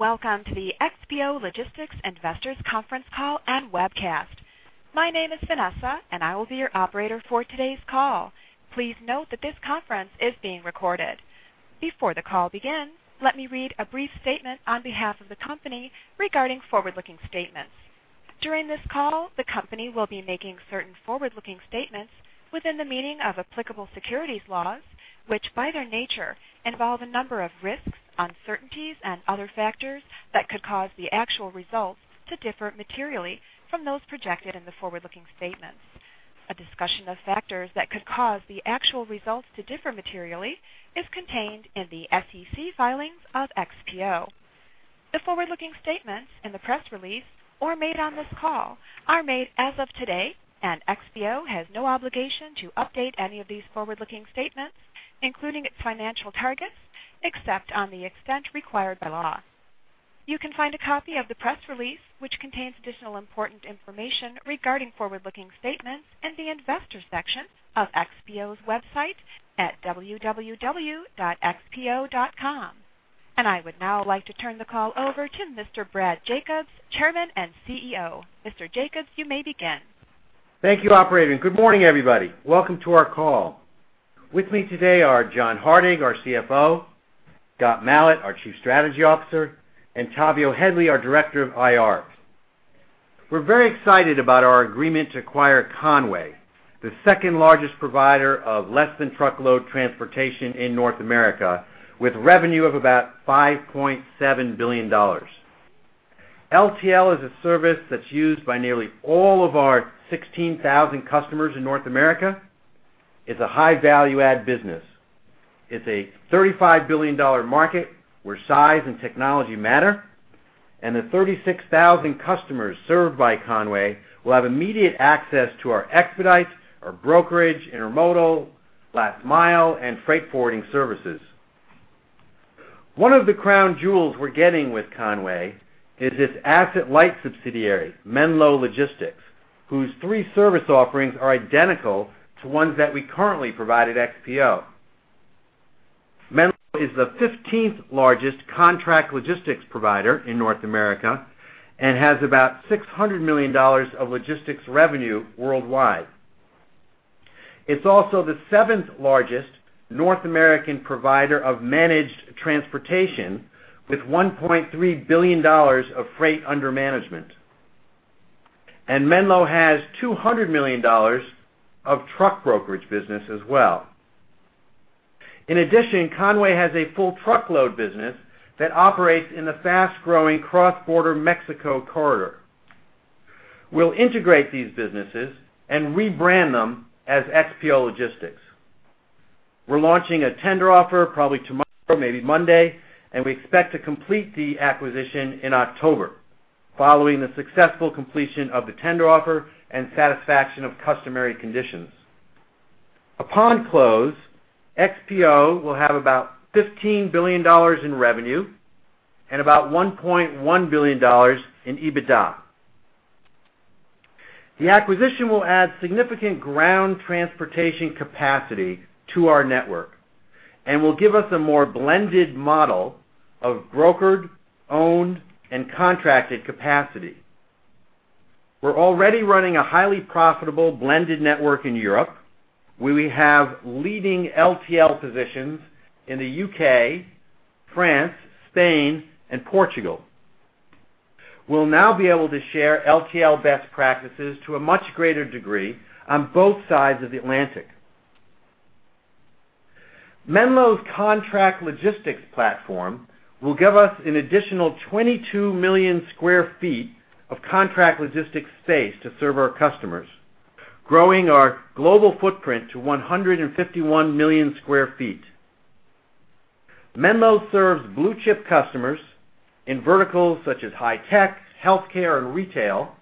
Welcome to the XPO Logistics Investors Conference Call and Webcast. My name is Vanessa, and I will be your operator for today's call. Please note that this conference is being recorded. Before the call begins, let me read a brief statement on behalf of the company regarding forward-looking statements. During this call, the company will be making certain forward-looking statements within the meaning of applicable securities laws, which, by their nature, involve a number of risks, uncertainties, and other factors that could cause the actual results to differ materially from those projected in the forward-looking statements. A discussion of factors that could cause the actual results to differ materially is contained in the SEC filings of XPO. The forward-looking statements in the press release or made on this call are made as of today, and XPO has no obligation to update any of these forward-looking statements, including its financial targets, except to the extent required by law. You can find a copy of the press release, which contains additional important information regarding forward-looking statements, in the Investors section of XPO's website at www.xpo.com. I would now like to turn the call over to Mr. Brad Jacobs, Chairman and CEO. Mr. Jacobs, you may begin. Thank you, operator, and good morning, everybody. Welcome to our call. With me today are John Hardig, our CFO; Scott Malat, our Chief Strategy Officer; and Tavio Headley, our Director of IR. We're very excited about our agreement to acquire Con-way, the second-largest provider of less-than-truckload transportation in North America, with revenue of about $5.7 billion. LTL is a service that's used by nearly all of our 16,000 customers in North America. It's a high value-add business. It's a $35 billion market where size and technology matter, and the 36,000 customers served by Con-way will have immediate access to our expedite, our brokerage, intermodal, last mile, and freight forwarding services. One of the crown jewels we're getting with Con-way is its asset-light subsidiary, Menlo Logistics, whose three service offerings are identical to ones that we currently provide at XPO. Menlo is the fifteenth-largest contract logistics provider in North America and has about $600 million of logistics revenue worldwide. It's also the seventh-largest North American provider of managed transportation, with $1.3 billion of freight under management. Menlo has $200 million of truck brokerage business as well. In addition, Con-way has a full truckload business that operates in the fast-growing cross-border Mexico corridor. We'll integrate these businesses and rebrand them as XPO Logistics. We're launching a tender offer probably tomorrow, maybe Monday, and we expect to complete the acquisition in October, following the successful completion of the tender offer and satisfaction of customary conditions. Upon close, XPO will have about $15 billion in revenue and about $1.1 billion in EBITDA. The acquisition will add significant ground transportation capacity to our network and will give us a more blended model of brokered, owned, and contracted capacity. We're already running a highly profitable blended network in Europe, where we have leading LTL positions in the UK, France, Spain, and Portugal. We'll now be able to share LTL best practices to a much greater degree on both sides of the Atlantic. Menlo's contract logistics platform will give us an additional 22 million sq ft of contract logistics space to serve our customers, growing our global footprint to 151 million sq ft. Menlo serves blue-chip customers in verticals such as high tech, healthcare, and retail,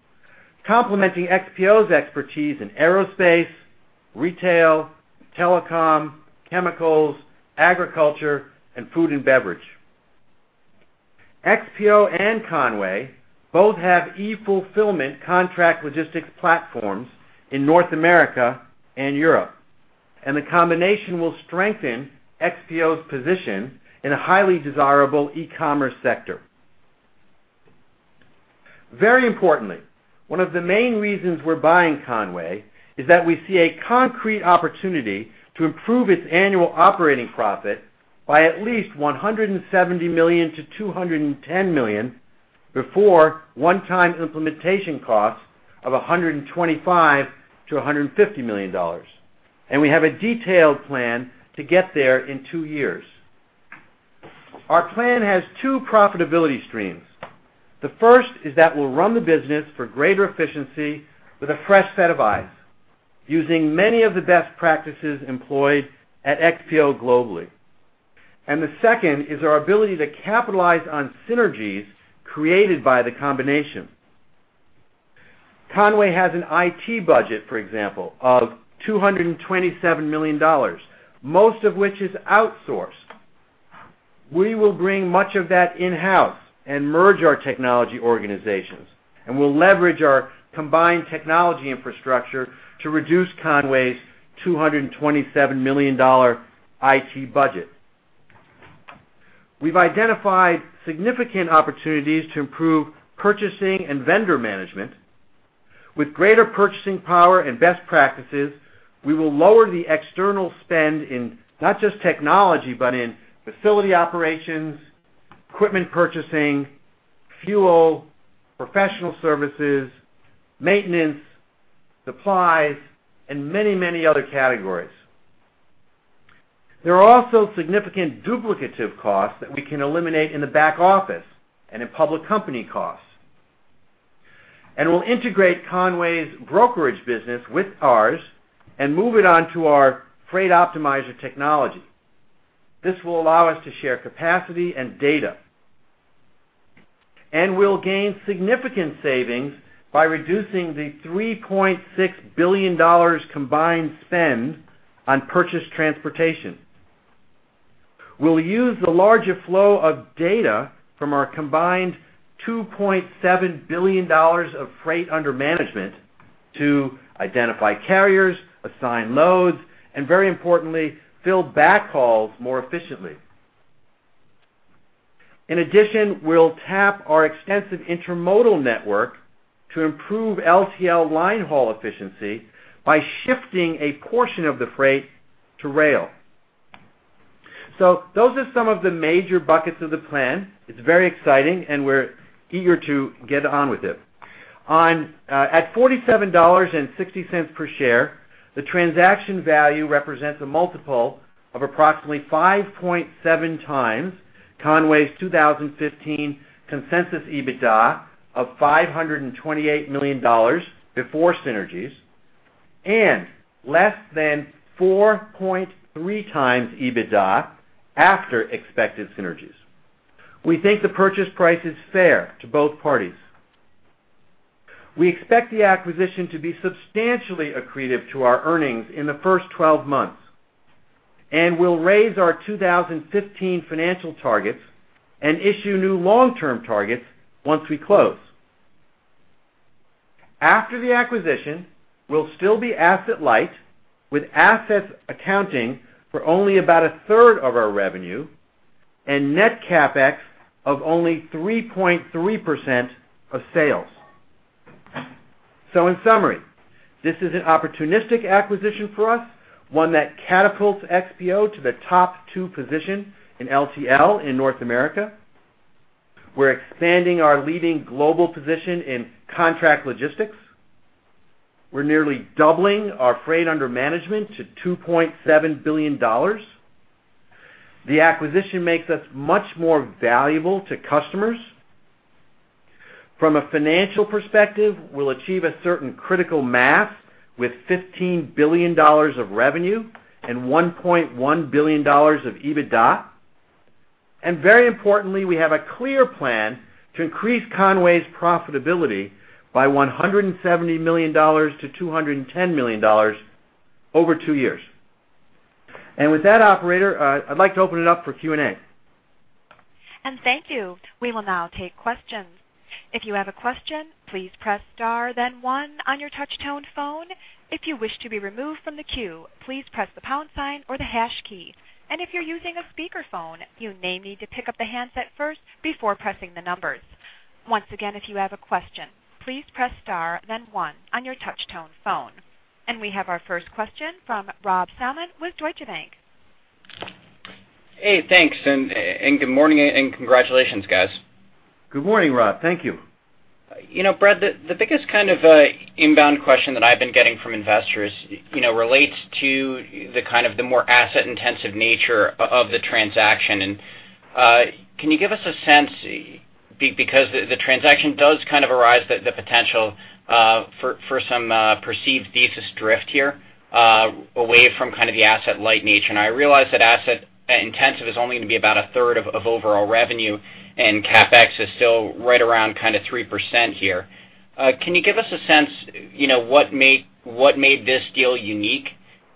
complementing XPO's expertise in aerospace, retail, telecom, chemicals, agriculture, and food and beverage. XPO and Con-way both have e-fulfillment contract logistics platforms in North America and Europe, and the combination will strengthen XPO's position in a highly desirable e-commerce sector. Very importantly, one of the main reasons we're buying Con-way is that we see a concrete opportunity to improve its annual operating profit by at least $170 million-$210 million, before one-time implementation costs of $125 million-$150 million, and we have a detailed plan to get there in two years. Our plan has two profitability streams. The first is that we'll run the business for greater efficiency with a fresh set of eyes, using many of the best practices employed at XPO globally. The second is our ability to capitalize on synergies created by the combination. Con-way has an IT budget, for example, of $227 million, most of which is outsourced. We will bring much of that in-house and merge our technology organizations, and we'll leverage our combined technology infrastructure to reduce Con-way's $227 million IT budget. We've identified significant opportunities to improve purchasing and vendor management. With greater purchasing power and best practices, we will lower the external spend in not just technology, but in facility operations, equipment purchasing, fuel, professional services, maintenance, supplies, and many, many other categories. There are also significant duplicative costs that we can eliminate in the back office and in public company costs. And we'll integrate Con-way's brokerage business with ours and move it onto our Freight Optimizer technology. This will allow us to share capacity and data, and we'll gain significant savings by reducing the $3.6 billion combined spend on purchase transportation. We'll use the larger flow of data from our combined $2.7 billion of freight under management to identify carriers, assign loads, and very importantly, fill backhauls more efficiently. In addition, we'll tap our extensive intermodal network to improve LTL line haul efficiency by shifting a portion of the freight to rail. So those are some of the major buckets of the plan. It's very exciting, and we're eager to get on with it. On, at $47.60 per share, the transaction value represents a multiple of approximately 5.7x Con-way's 2015 consensus EBITDA of $528 million before synergies, and less than 4.3x EBITDA after expected synergies. We think the purchase price is fair to both parties. We expect the acquisition to be substantially accretive to our earnings in the first 12 months, and we'll raise our 2015 financial targets and issue new long-term targets once we close. After the acquisition, we'll still be asset light, with assets accounting for only about a third of our revenue and net CapEx of only 3.3% of sales. So in summary, this is an opportunistic acquisition for us, one that catapults XPO to the top 2 position in LTL in North America. We're expanding our leading global position in contract logistics. We're nearly doubling our freight under management to $2.7 billion. The acquisition makes us much more valuable to customers. From a financial perspective, we'll achieve a certain critical mass with $15 billion of revenue and $1.1 billion of EBITDA. And very importantly, we have a clear plan to increase Con-way's profitability by $170 million-$210 million over two years. And with that, operator, I'd like to open it up for Q&A. And thank you. We will now take questions. If you have a question, please press star, then one on your touch tone phone. If you wish to be removed from the queue, please press the pound sign or the hash key. And if you're using a speakerphone, you may need to pick up the handset first before pressing the numbers. Once again, if you have a question, please press star, then one on your touch tone phone. And we have our first question from Rob Salmon with Deutsche Bank. Hey, thanks, and good morning, and congratulations, guys. Good morning, Rob. Thank you. You know, Brad, the biggest kind of inbound question that I've been getting from investors, you know, relates to the kind of more asset-intensive nature of the transaction. Can you give us a sense, because the transaction does kind of arise the potential for some perceived thesis drift here, away from kind of the asset-light nature. I realize that asset-intensive is only going to be about a third of overall revenue, and CapEx is still right around kind of 3% here. Can you give us a sense, you know, what made this deal unique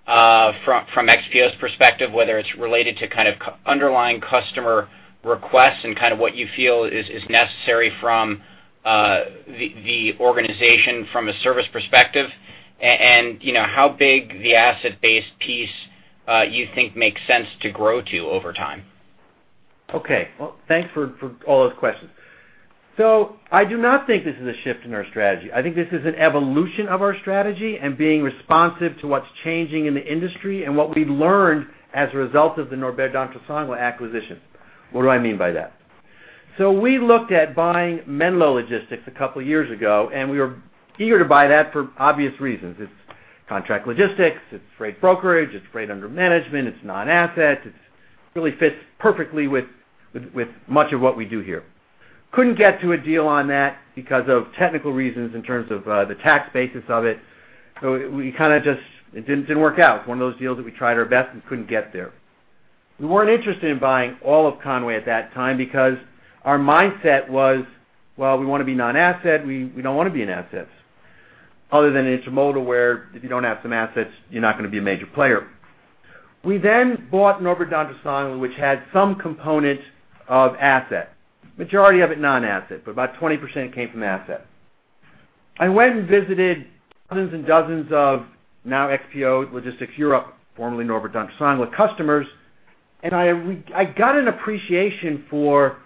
from XPO's perspective, whether it's related to kind of underlying customer requests and kind of what you feel is necessary from the organization from a service perspective, and you know, how big the asset-based piece you think makes sense to grow to over time? Okay, well, thanks for all those questions. So I do not think this is a shift in our strategy. I think this is an evolution of our strategy and being responsive to what's changing in the industry and what we've learned as a result of the Norbert Dentressangle acquisition. What do I mean by that? So we looked at buying Menlo Logistics a couple of years ago, and we were eager to buy that for obvious reasons. It's contract logistics, it's freight brokerage, it's freight under management, it's non-asset. It really fits perfectly with much of what we do here. Couldn't get to a deal on that because of technical reasons in terms of the tax basis of it. So we kind of just. It didn't work out. One of those deals that we tried our best and couldn't get there. We weren't interested in buying all of Con-way at that time because our mindset was, well, we want to be non-asset. We, we don't want to be in assets, other than intermodal, where if you don't have some assets, you're not going to be a major player. We then bought Norbert Dentressangle, which had some component of asset, majority of it non-asset, but about 20% came from asset. I went and visited dozens and dozens of now XPO Logistics Europe, formerly Norbert Dentressangle, customers, and I got an appreciation for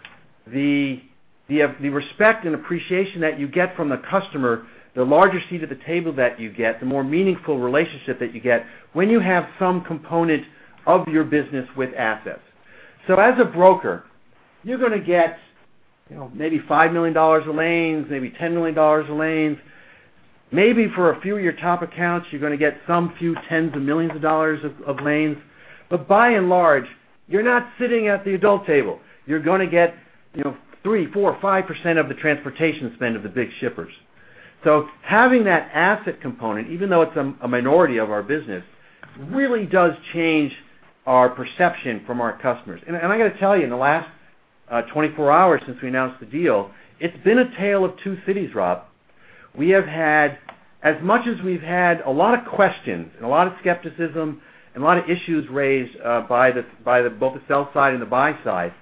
the, the, the respect and appreciation that you get from the customer, the larger seat at the table that you get, the more meaningful relationship that you get when you have some component of your business with assets. So as a broker, you're gonna get, you know, maybe $5 million of lanes, maybe $10 million of lanes. Maybe for a few of your top accounts, you're gonna get some few tens of millions of dollars of lanes. But by and large, you're not sitting at the adult table. You're gonna get, you know, 3, 4, or 5% of the transportation spend of the big shippers. So having that asset component, even though it's a minority of our business, really does change our perception from our customers. And I gotta tell you, in the last 24 hours since we announced the deal, it's been a tale of two cities, Rob. We have had... As much as we've had a lot of questions and a lot of skepticism, and a lot of issues raised by both the sell side and the buy side,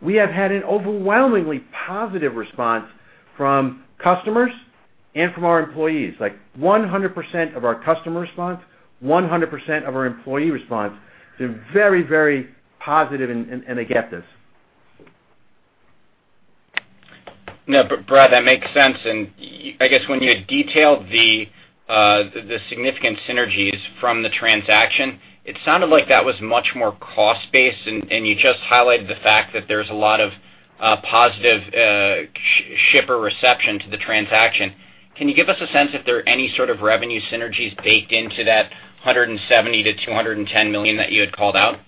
we have had an overwhelmingly positive response from customers and from our employees. Like, 100% of our customer response, 100% of our employee response, they're very, very positive, and they get this. Now, Brad, that makes sense. And I guess when you detailed the significant synergies from the transaction, it sounded like that was much more cost-based, and you just highlighted the fact that there's a lot of positive shipper reception to the transaction. Can you give us a sense if there are any sort of revenue synergies baked into that $170 million-$210 million that you had called out?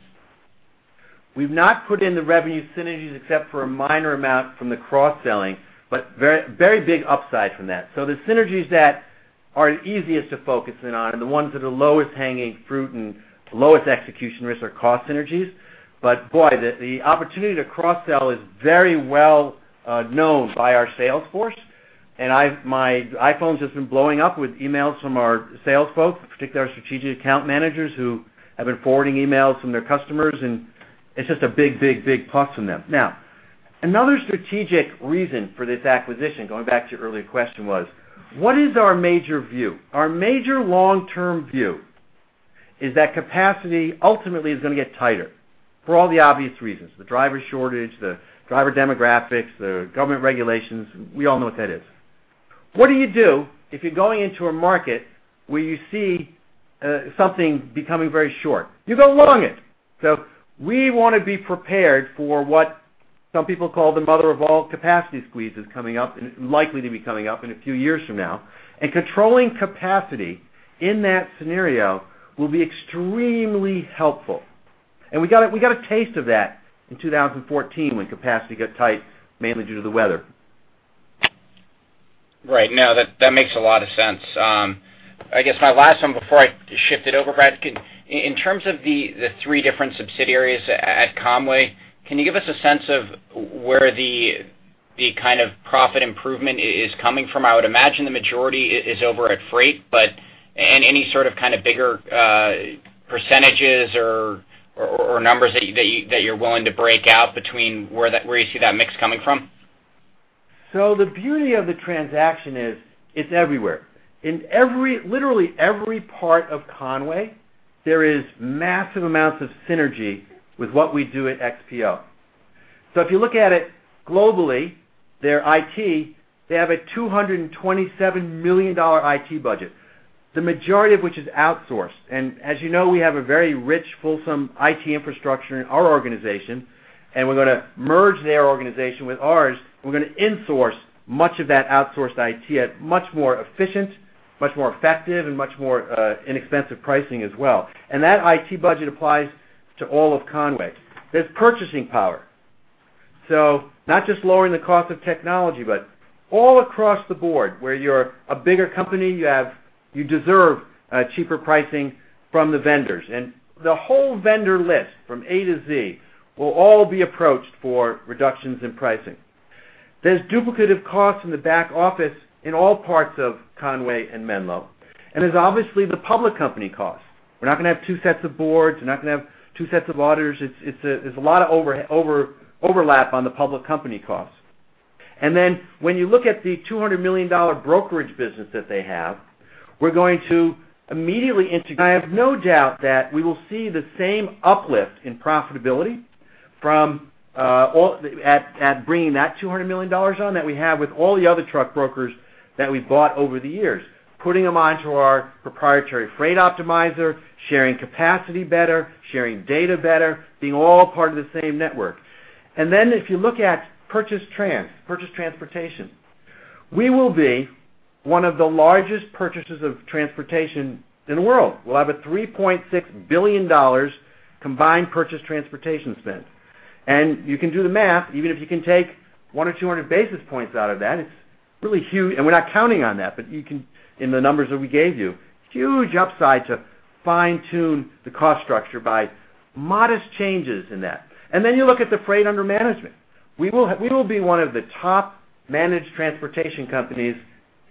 We've not put in the revenue synergies except for a minor amount from the cross-selling, but very big upside from that. So the synergies that are easiest to focus in on are the ones that are the lowest hanging fruit and lowest execution risks are cost synergies. But boy, the opportunity to cross-sell is very well known by our sales force, and my iPhones have been blowing up with emails from our sales folks, particularly our strategic account managers, who have been forwarding emails from their customers, and it's just a big, big, big plus from them. Now, another strategic reason for this acquisition, going back to your earlier question was, what is our major view? Our major long-term view is that capacity ultimately is gonna get tighter for all the obvious reasons: the driver shortage, the driver demographics, the government regulations. We all know what that is. What do you do if you're going into a market where you see something becoming very short? You go along it. So we want to be prepared for what some people call the mother of all capacity squeeze is coming up, and likely to be coming up in a few years from now. And controlling capacity in that scenario will be extremely helpful. And we got a taste of that in 2014, when capacity got tight, mainly due to the weather. Right. No, that, that makes a lot of sense. I guess my last one before I shift it over, Brad. In terms of the three different subsidiaries at Con-way, can you give us a sense of where the kind of profit improvement is coming from? I would imagine the majority is over at Freight, but any sort of bigger percentages or numbers that you're willing to break out between where that—where you see that mix coming from? So the beauty of the transaction is, it's everywhere. In every, literally every part of Con-way, there is massive amounts of synergy with what we do at XPO. So if you look at it globally, their IT, they have a $227 million IT budget, the majority of which is outsourced. And as you know, we have a very rich, fulsome IT infrastructure in our organization, and we're gonna merge their organization with ours. We're gonna in-source much of that outsourced IT at much more efficient, much more effective, and much more inexpensive pricing as well. And that IT budget applies to all of Con-way. There's purchasing power, so not just lowering the cost of technology, but all across the board, where you're a bigger company, you have, you deserve cheaper pricing from the vendors. The whole vendor list, from A to Z, will all be approached for reductions in pricing. There's duplicative costs in the back office in all parts of Con-way and Menlo, and there's obviously the public company costs. We're not gonna have two sets of boards. We're not gonna have two sets of auditors. It's a lot of overlap on the public company costs. And then when you look at the $200 million brokerage business that they have, we're going to immediately integrate. I have no doubt that we will see the same uplift in profitability from all at bringing that $200 million on, that we have with all the other truck brokers that we've bought over the years, putting them onto our proprietary Freight Optimizer, sharing capacity better, sharing data better, being all part of the same network. And then if you look at purchased transportation, we will be one of the largest purchasers of transportation in the world. We'll have a $3.6 billion combined purchase transportation spend. And you can do the math, even if you can take 100 or 200 basis points out of that, it's really huge, and we're not counting on that, but you can... In the numbers that we gave you, huge upside to fine-tune the cost structure by modest changes in that. And then you look at the freight under management. We will have—we will be one of the top managed transportation companies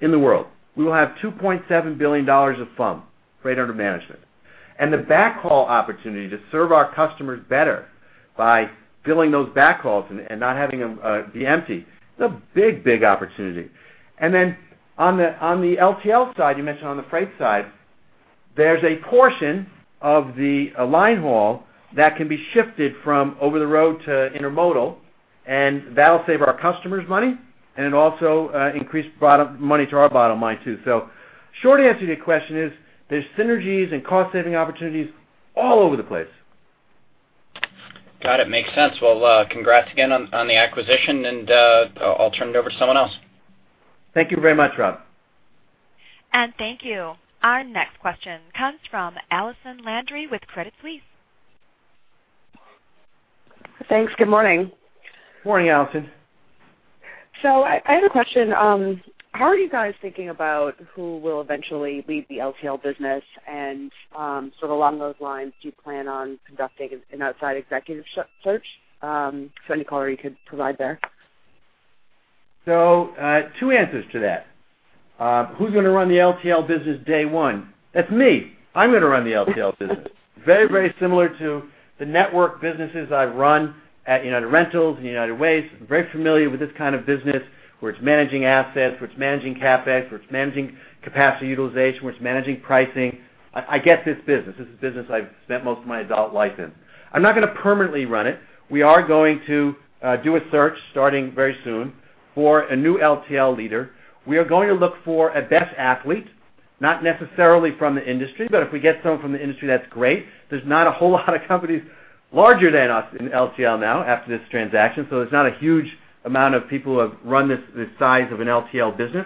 in the world. We will have $2.7 billion of FUM, Freight Under Management... and the backhaul opportunity to serve our customers better by filling those backhauls and, and not having them be empty, it's a big, big opportunity. Then on the LTL side, you mentioned on the freight side, there's a portion of the line haul that can be shifted from over the road to intermodal, and that'll save our customers money, and it also increased bottom line money to our bottom line, too. So short answer to your question is, there's synergies and cost-saving opportunities all over the place. Got it. Makes sense. Well, congrats again on the acquisition, and I'll turn it over to someone else. Thank you very much, Rob. Thank you. Our next question comes from Allison Landry with Credit Suisse. Thanks. Good morning. Morning, Allison. So, I had a question. How are you guys thinking about who will eventually lead the LTL business? And, sort of along those lines, do you plan on conducting an outside executive search? So, any color you could provide there? So, two answers to that. Who's going to run the LTL business day one? That's me. I'm going to run the LTL business. Very, very similar to the network businesses I've run at United Rentals and United Waste. I'm very familiar with this kind of business, where it's managing assets, where it's managing CapEx, where it's managing capacity utilization, where it's managing pricing. I get this business. This is the business I've spent most of my adult life in. I'm not going to permanently run it. We are going to do a search, starting very soon, for a new LTL leader. We are going to look for a best athlete, not necessarily from the industry, but if we get someone from the industry, that's great. There's not a whole lot of companies larger than us in LTL now, after this transaction, so there's not a huge amount of people who have run this, this size of an LTL business.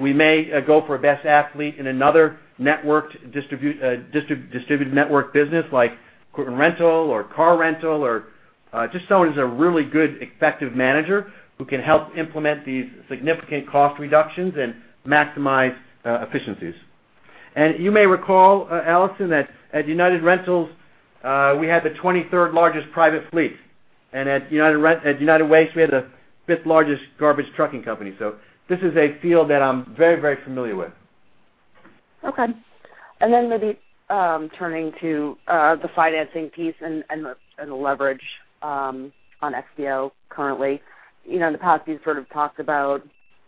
We may go for a best athlete in another networked distributed network business like equipment rental or car rental or just someone who's a really good, effective manager, who can help implement these significant cost reductions and maximize efficiencies. You may recall, Allison, that at United Rentals we had the 23rd largest private fleet, and at United Waste we had the 5th largest garbage trucking company. So this is a field that I'm very, very familiar with. Okay. And then maybe turning to the financing piece and the leverage on XPO currently. You know, in the past, you've sort of talked about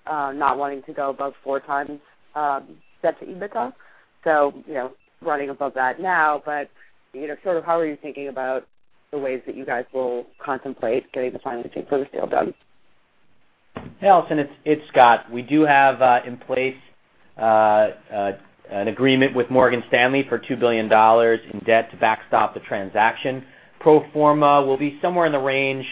not wanting to go above 4x debt to EBITDA. So, you know, running above that now, but you know, sort of how are you thinking about the ways that you guys will contemplate getting the financing for the deal done? Hey, Allison, it's Scott. We do have in place an agreement with Morgan Stanley for $2 billion in debt to backstop the transaction. Pro forma will be somewhere in the range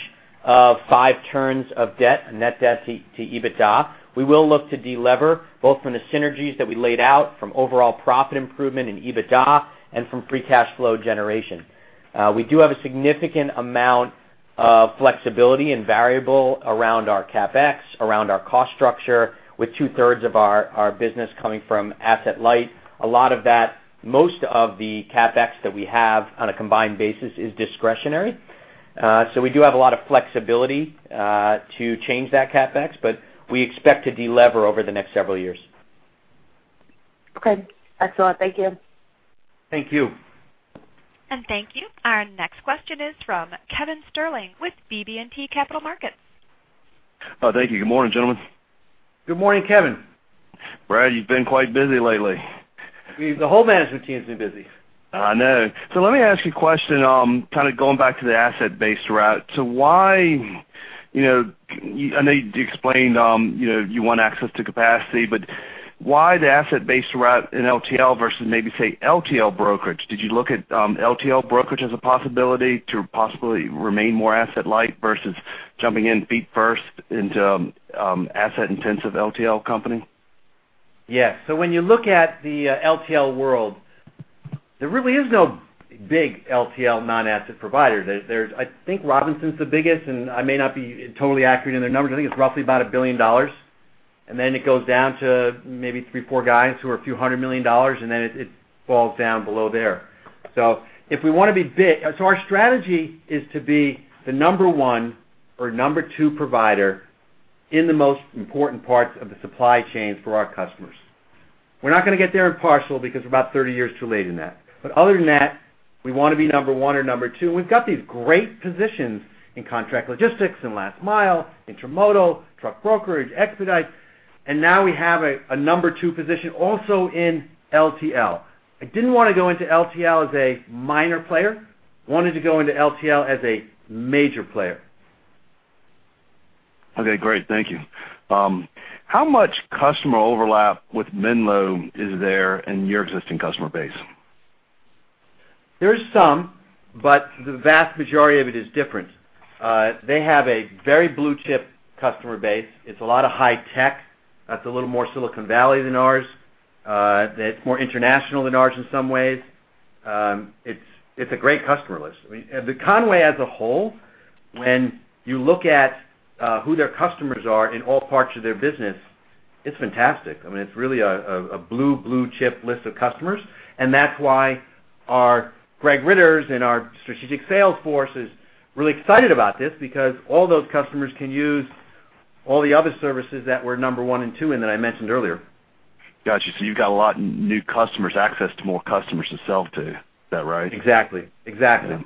of five turns of debt, net debt to EBITDA. We will look to delever, both from the synergies that we laid out, from overall profit improvement in EBITDA and from free cash flow generation. We do have a significant amount of flexibility and variable around our CapEx, around our cost structure, with two-thirds of our business coming from asset-light. A lot of that, most of the CapEx that we have on a combined basis is discretionary. So we do have a lot of flexibility to change that CapEx, but we expect to delever over the next several years. Okay, excellent. Thank you. Thank you. Thank you. Our next question is from Kevin Sterling with BB&T Capital Markets. Oh, thank you. Good morning, gentlemen. Good morning, Kevin. Brad, you've been quite busy lately. The whole management team's been busy. I know. So let me ask you a question, kind of going back to the asset-based route. So why, you know, I know you explained, you know, you want access to capacity, but why the asset-based route in LTL versus maybe, say, LTL brokerage? Did you look at LTL brokerage as a possibility to possibly remain more asset light versus jumping in feet first into asset-intensive LTL company? Yes. So when you look at the LTL world, there really is no big LTL non-asset provider. There's... I think Robinson's the biggest, and I may not be totally accurate in their numbers. I think it's roughly about $1 billion, and then it goes down to maybe three, four guys, who are a few hundred million dollars, and then it falls down below there. So if we want to be big, so our strategy is to be the number one or number two provider in the most important parts of the supply chain for our customers. We're not going to get there in Parcel because we're about 30 years too late in that. But other than that, we want to be number one or number two. We've got these great positions in contract logistics and last mile, intermodal, truck brokerage, expedite, and now we have a number two position also in LTL. I didn't want to go into LTL as a minor player, wanted to go into LTL as a major player. Okay, great. Thank you. How much customer overlap with Menlo is there in your existing customer base? There's some, but the vast majority of it is different. They have a very blue-chip customer base. It's a lot of high tech. It's a little more Silicon Valley than ours. It's more international than ours in some ways. It's a great customer list. I mean, the Con-way as a whole, when you look at who their customers are in all parts of their business, it's fantastic. I mean, it's really a blue, blue-chip list of customers, and that's why our Greg Ritter and our strategic sales force is really excited about this because all those customers can use all the other services that we're number one and two in, that I mentioned earlier. Got you. So you've got a lot of new customers, access to more customers to sell to. Is that right? Exactly. Exactly.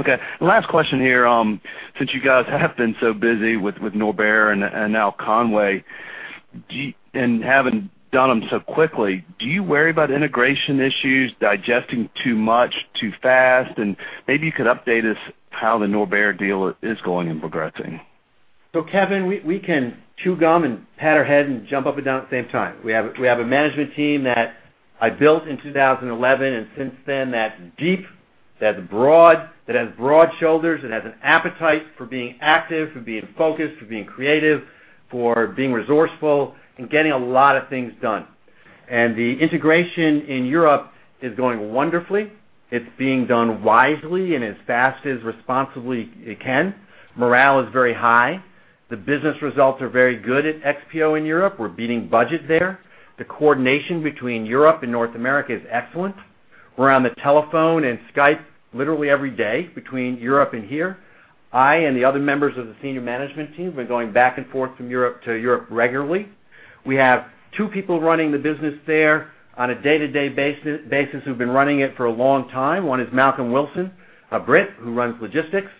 Okay, last question here. Since you guys have been so busy with, with Norbert and now Con-way, do you- and having done them so quickly, do you worry about integration issues, digesting too much, too fast? And maybe you could update us how the Norbert deal is going and progressing. So, Kevin, we can chew gum and pat our head and jump up and down at the same time. We have a management team that I built in 2011, and since then, that's deep, that's broad, that has broad shoulders. It has an appetite for being active, for being focused, for being creative, for being resourceful, and getting a lot of things done. The integration in Europe is going wonderfully. It's being done wisely and as fast as responsibly it can. Morale is very high. The business results are very good at XPO in Europe. We're beating budget there. The coordination between Europe and North America is excellent. We're on the telephone and Skype literally every day between Europe and here. I and the other members of the senior management team, we're going back and forth from Europe to Europe regularly. We have two people running the business there on a day-to-day basis who've been running it for a long time. One is Malcolm Wilson, a Brit, who runs logistics,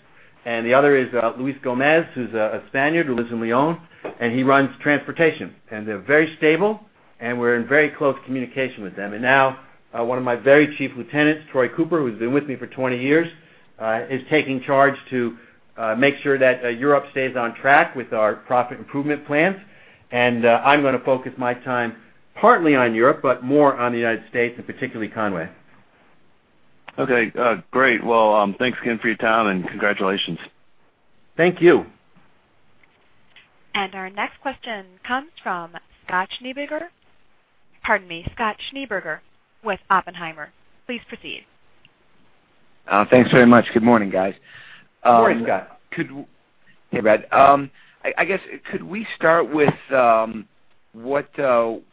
and the other is Luis Gomez, who's a Spaniard, who lives in Lyon, and he runs transportation. They're very stable, and we're in very close communication with them. Now, one of my very chief lieutenants, Troy Cooper, who's been with me for 20 years, is taking charge to make sure that Europe stays on track with our profit improvement plans. I'm going to focus my time partly on Europe, but more on the United States, and particularly, Con-way. Okay, great. Well, thanks again for your time, and congratulations. Thank you. Our next question comes from Scott Schneeberger. Pardon me, Scott Schneeberger with Oppenheimer. Please proceed. Thanks very much. Good morning, guys. Good morning, Scott. Hey, Brad. I guess could we start with what the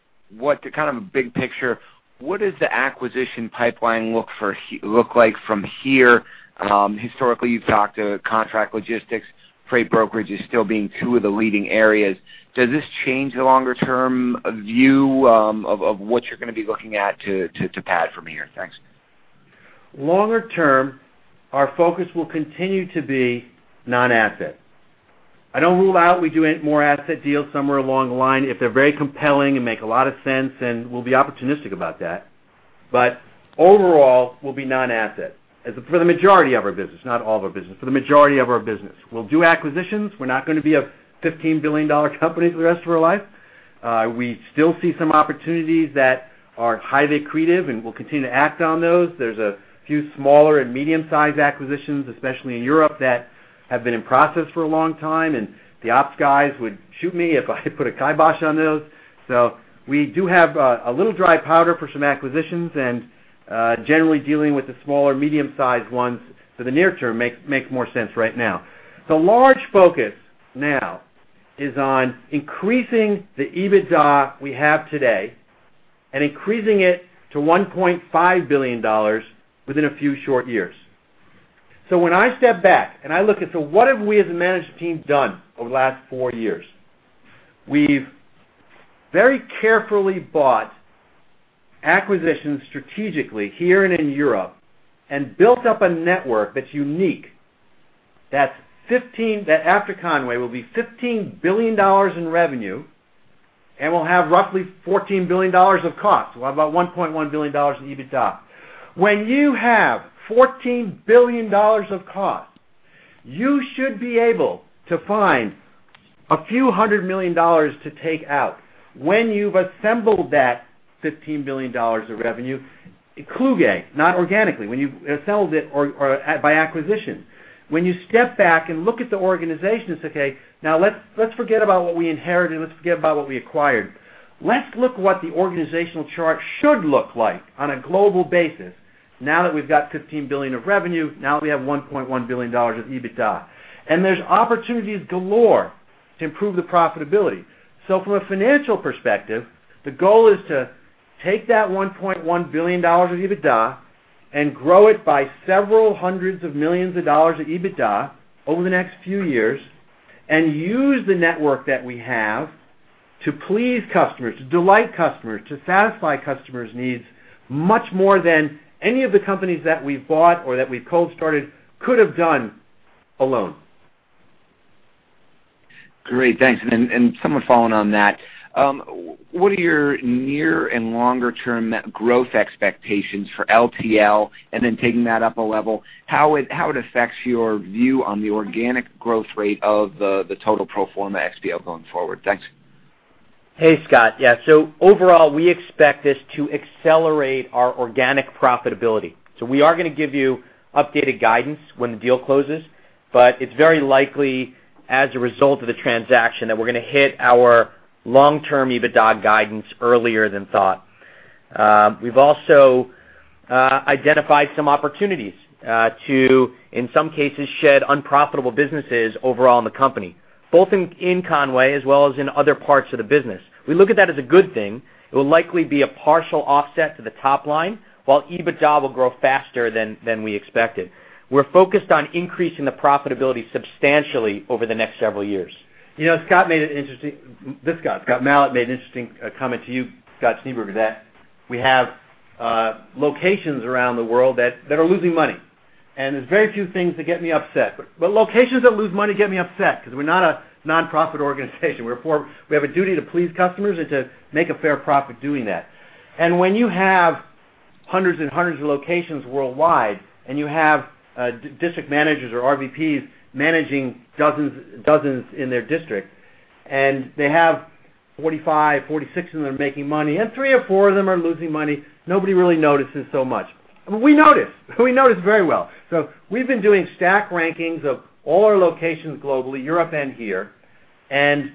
kind of big picture, what does the acquisition pipeline look like from here? Historically, you've talked to contract logistics, freight brokerage as still being two of the leading areas. Does this change the longer-term view of what you're going to be looking at to add from here? Thanks. Longer term, our focus will continue to be non-asset. I don't rule out we do any more asset deals somewhere along the line if they're very compelling and make a lot of sense, and we'll be opportunistic about that. But overall, we'll be non-asset. For the majority of our business, not all of our business, for the majority of our business. We'll do acquisitions. We're not going to be a $15 billion company for the rest of our life. We still see some opportunities that are highly accretive, and we'll continue to act on those. There's a few smaller and medium-sized acquisitions, especially in Europe, that have been in process for a long time, and the ops guys would shoot me if I could put a kibosh on those. So we do have a little dry powder for some acquisitions and generally dealing with the smaller, medium-sized ones for the near term makes more sense right now. The large focus now is on increasing the EBITDA we have today and increasing it to $1.5 billion within a few short years. So when I step back and I look at so what have we as a management team done over the last four years? We've very carefully bought acquisitions strategically here and in Europe and built up a network that's unique, that after Con-way, will be $15 billion in revenue and will have roughly $14 billion of costs, about $1.1 billion in EBITDA. When you have $14 billion of costs, you should be able to find a few hundred million dollars to take out. When you've assembled that $15 billion of revenue, including, not organically, when you've assembled it or, or by acquisition. When you step back and look at the organization and say, "Okay, now let's, let's forget about what we inherited, and let's forget about what we acquired. Let's look what the organizational chart should look like on a global basis, now that we've got $15 billion of revenue, now that we have $1.1 billion of EBITDA." There's opportunities galore to improve the profitability. From a financial perspective, the goal is to take that $1.1 billion of EBITDA and grow it by several hundred million dollars of EBITDA over the next few years, and use the network that we have to please customers, to delight customers, to satisfy customers' needs, much more than any of the companies that we've bought or that we've cold started, could have done alone. Great, thanks. And somewhat following on that, what are your near and longer-term growth expectations for LTL, and then taking that up a level, how it affects your view on the organic growth rate of the total pro forma XPO going forward? Thanks. Hey, Scott. Yeah, so overall, we expect this to accelerate our organic profitability. So we are going to give you updated guidance when the deal closes, but it's very likely, as a result of the transaction, that we're going to hit our long-term EBITDA guidance earlier than thought. We've also identified some opportunities to, in some cases, shed unprofitable businesses overall in the company, both in Conway as well as in other parts of the business. We look at that as a good thing. It will likely be a partial offset to the top line, while EBITDA will grow faster than we expected. We're focused on increasing the profitability substantially over the next several years. You know, Scott made an interesting—this Scott, Scott Malat, made an interesting comment to you, Scott Schneeberger, that we have locations around the world that are losing money, and there's very few things that get me upset. But locations that lose money get me upset because we're not a nonprofit organization. We're for. We have a duty to please customers and to make a fair profit doing that. And when you have hundreds and hundreds of locations worldwide, and you have district managers or RVPs managing dozens, dozens in their district, and they have 45, 46 of them are making money, and three or four of them are losing money, nobody really notices so much. We notice! We notice very well. So we've been doing stack rankings of all our locations globally, Europe and here, and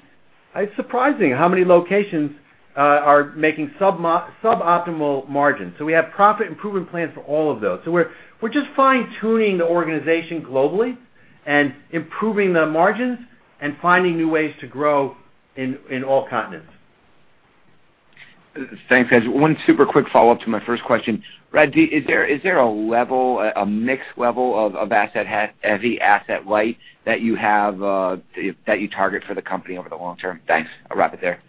it's surprising how many locations are making suboptimal margins. So we have profit improvement plans for all of those. So we're just fine-tuning the organization globally and improving the margins and finding new ways to grow in all continents. Thanks, guys. One super quick follow-up to my first question. Brad, do you—is there a level, a mixed level of asset-heavy, asset-light that you have that you target for the company over the long term? Thanks. I'll wrap it there.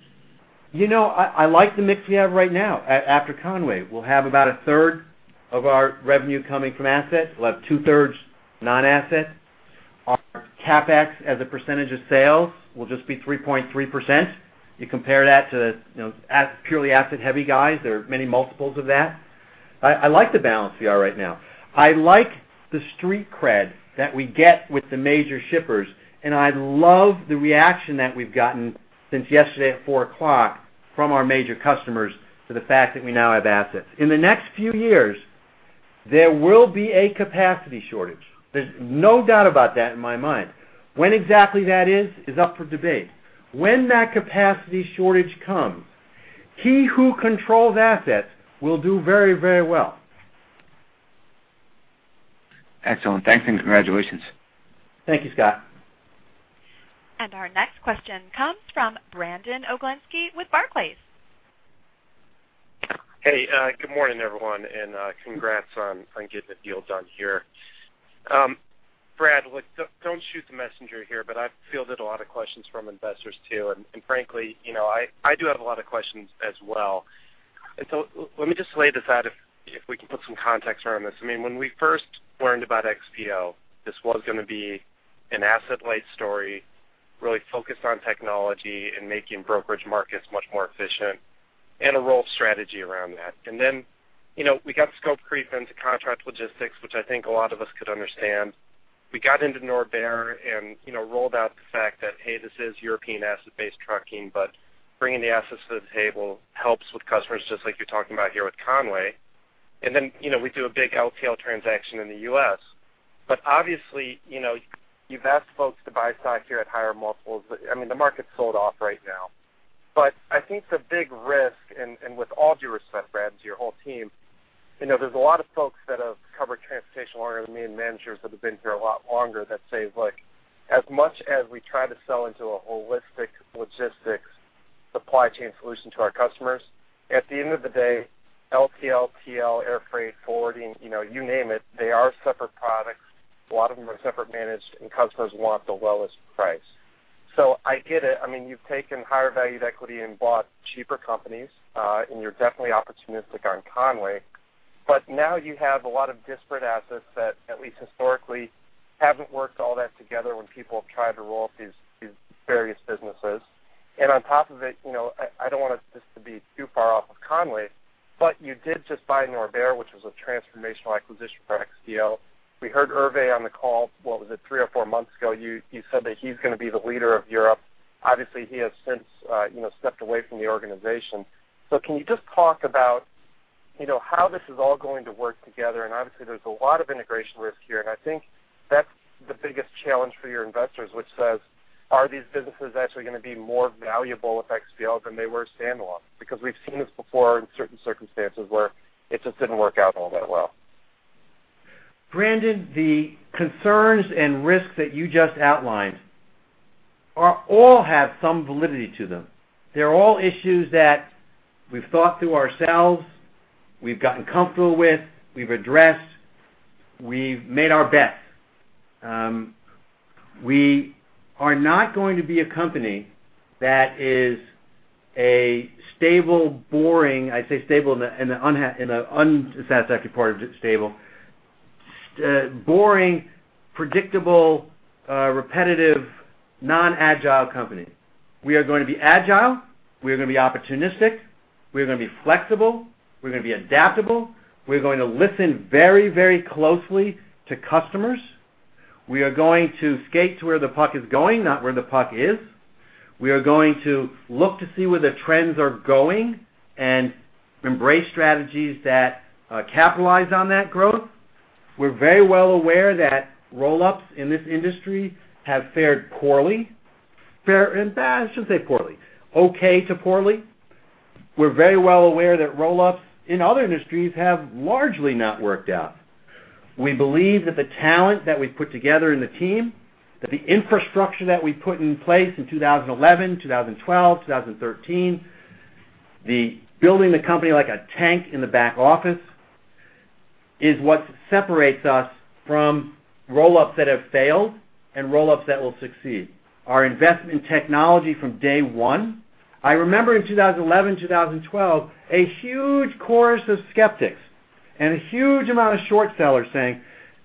You know, I, I like the mix we have right now. After Con-way, we'll have about a third of our revenue coming from assets. We'll have two-thirds non-asset. Our CapEx, as a percentage of sales, will just be 3.3%. You compare that to, you know, asset-heavy guys, there are many multiples of that. I, I like the balance we are right now. I like the street cred that we get with the major shippers, and I love the reaction that we've gotten since yesterday at 4:00 from our major customers to the fact that we now have assets. In the next few years, there will be a capacity shortage. There's no doubt about that in my mind. When exactly that is, is up for debate. When that capacity shortage comes, he who controls assets will do very, very well. Excellent. Thanks, and congratulations. Thank you, Scott. Our next question comes from Brandon Oglenski with Barclays. Hey, good morning, everyone, and congrats on getting the deal done here. Brad, look, don't shoot the messenger here, but I've fielded a lot of questions from investors, too, and frankly, you know, I do have a lot of questions as well. So let me just lay this out if we can put some context around this. I mean, when we first learned about XPO, this was gonna be an asset-light story, really focused on technology and making brokerage markets much more efficient, and a role of strategy around that. And then, you know, we got scope creep into contract logistics, which I think a lot of us could understand. We got into Norbert and, you know, rolled out the fact that, hey, this is European asset-based trucking, but bringing the assets to the table helps with customers, just like you're talking about here with Con-way. And then, you know, we do a big LTL transaction in the U.S. But obviously, you know, you've asked folks to buy stock here at higher multiples. But, I mean, the market's sold off right now. But I think the big risk, and with all due respect, Brad, to your whole team, you know, there's a lot of folks that have covered transportation longer than me, and managers that have been here a lot longer, that say, look, as much as we try to sell into a holistic logistics supply chain solution to our customers, at the end of the day, LTL, TL, air freight, forwarding, you know, you name it, they are separate products. A lot of them are separate managed, and customers want the lowest price. So I get it. I mean, you've taken higher valued equity and bought cheaper companies, and you're definitely opportunistic on Con-way, but now you have a lot of disparate assets that, at least historically, haven't worked all that together when people have tried to roll up these, these various businesses. And on top of it, you know, I, I don't want this to be too far off of Con-way, but you did just buy Norbert, which was a transformational acquisition for XPO. We heard Hervé on the call, what was it, three or four months ago? You, you said that he's gonna be the leader of Europe. Obviously, he has since, you know, stepped away from the organization. So can you just talk about, you know, how this is all going to work together? And obviously, there's a lot of integration risk here, and I think that's the biggest challenge for your investors, which says, are these businesses actually gonna be more valuable with XPO than they were standalone? Because we've seen this before in certain circumstances where it just didn't work out all that well. Brandon, the concerns and risks that you just outlined are all have some validity to them. They're all issues that we've thought through ourselves, we've gotten comfortable with, we've addressed, we've made our bets. We are not going to be a company that is a stable, boring, I say stable in an unsatisfactory part of stable, boring, predictable, repetitive, non-agile company. We are going to be agile, we are gonna be opportunistic, we're gonna be flexible, we're going to be adaptable, we're going to listen very, very closely to customers. We are going to skate to where the puck is going, not where the puck is. We are going to look to see where the trends are going and embrace strategies that capitalize on that growth. We're very well aware that roll-ups in this industry have fared poorly. Fair enough. I shouldn't say poorly, okay to poorly. We're very well aware that roll-ups in other industries have largely not worked out. We believe that the talent that we've put together in the team, that the infrastructure that we put in place in 2011, 2012, 2013, the building the company like a tank in the back office is what separates us from roll-ups that have failed and roll-ups that will succeed. Our investment in technology from day one, I remember in 2011, 2012, a huge chorus of skeptics and a huge amount of short sellers saying,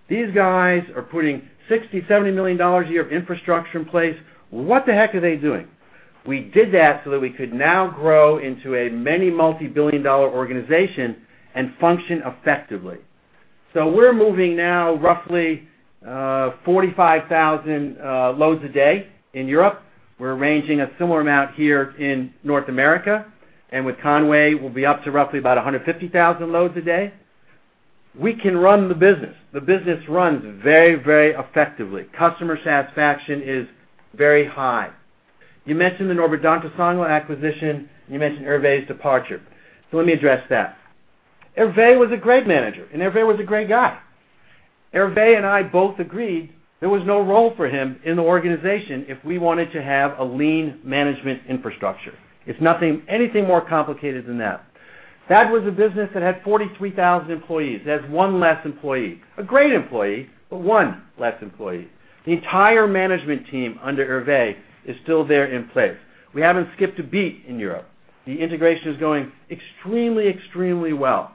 "These guys are putting $60 million-$70 million a year of infrastructure in place. What the heck are they doing?" We did that so that we could now grow into a many multibillion-dollar organization and function effectively. So we're moving now roughly 45,000 loads a day in Europe. We're arranging a similar amount here in North America, and with Con-way, we'll be up to roughly about 150,000 loads a day. We can run the business. The business runs very, very effectively. Customer satisfaction is very high. You mentioned the Norbert Dentressangle acquisition, you mentioned Hervé's departure, so let me address that. Hervé was a great manager, and Hervé was a great guy. Hervé and I both agreed there was no role for him in the organization if we wanted to have a lean management infrastructure. It's nothing, anything more complicated than that. That was a business that had 43,000 employees. It has one less employee, a great employee, but one less employee. The entire management team under Hervé is still there in place. We haven't skipped a beat in Europe. The integration is going extremely, extremely well.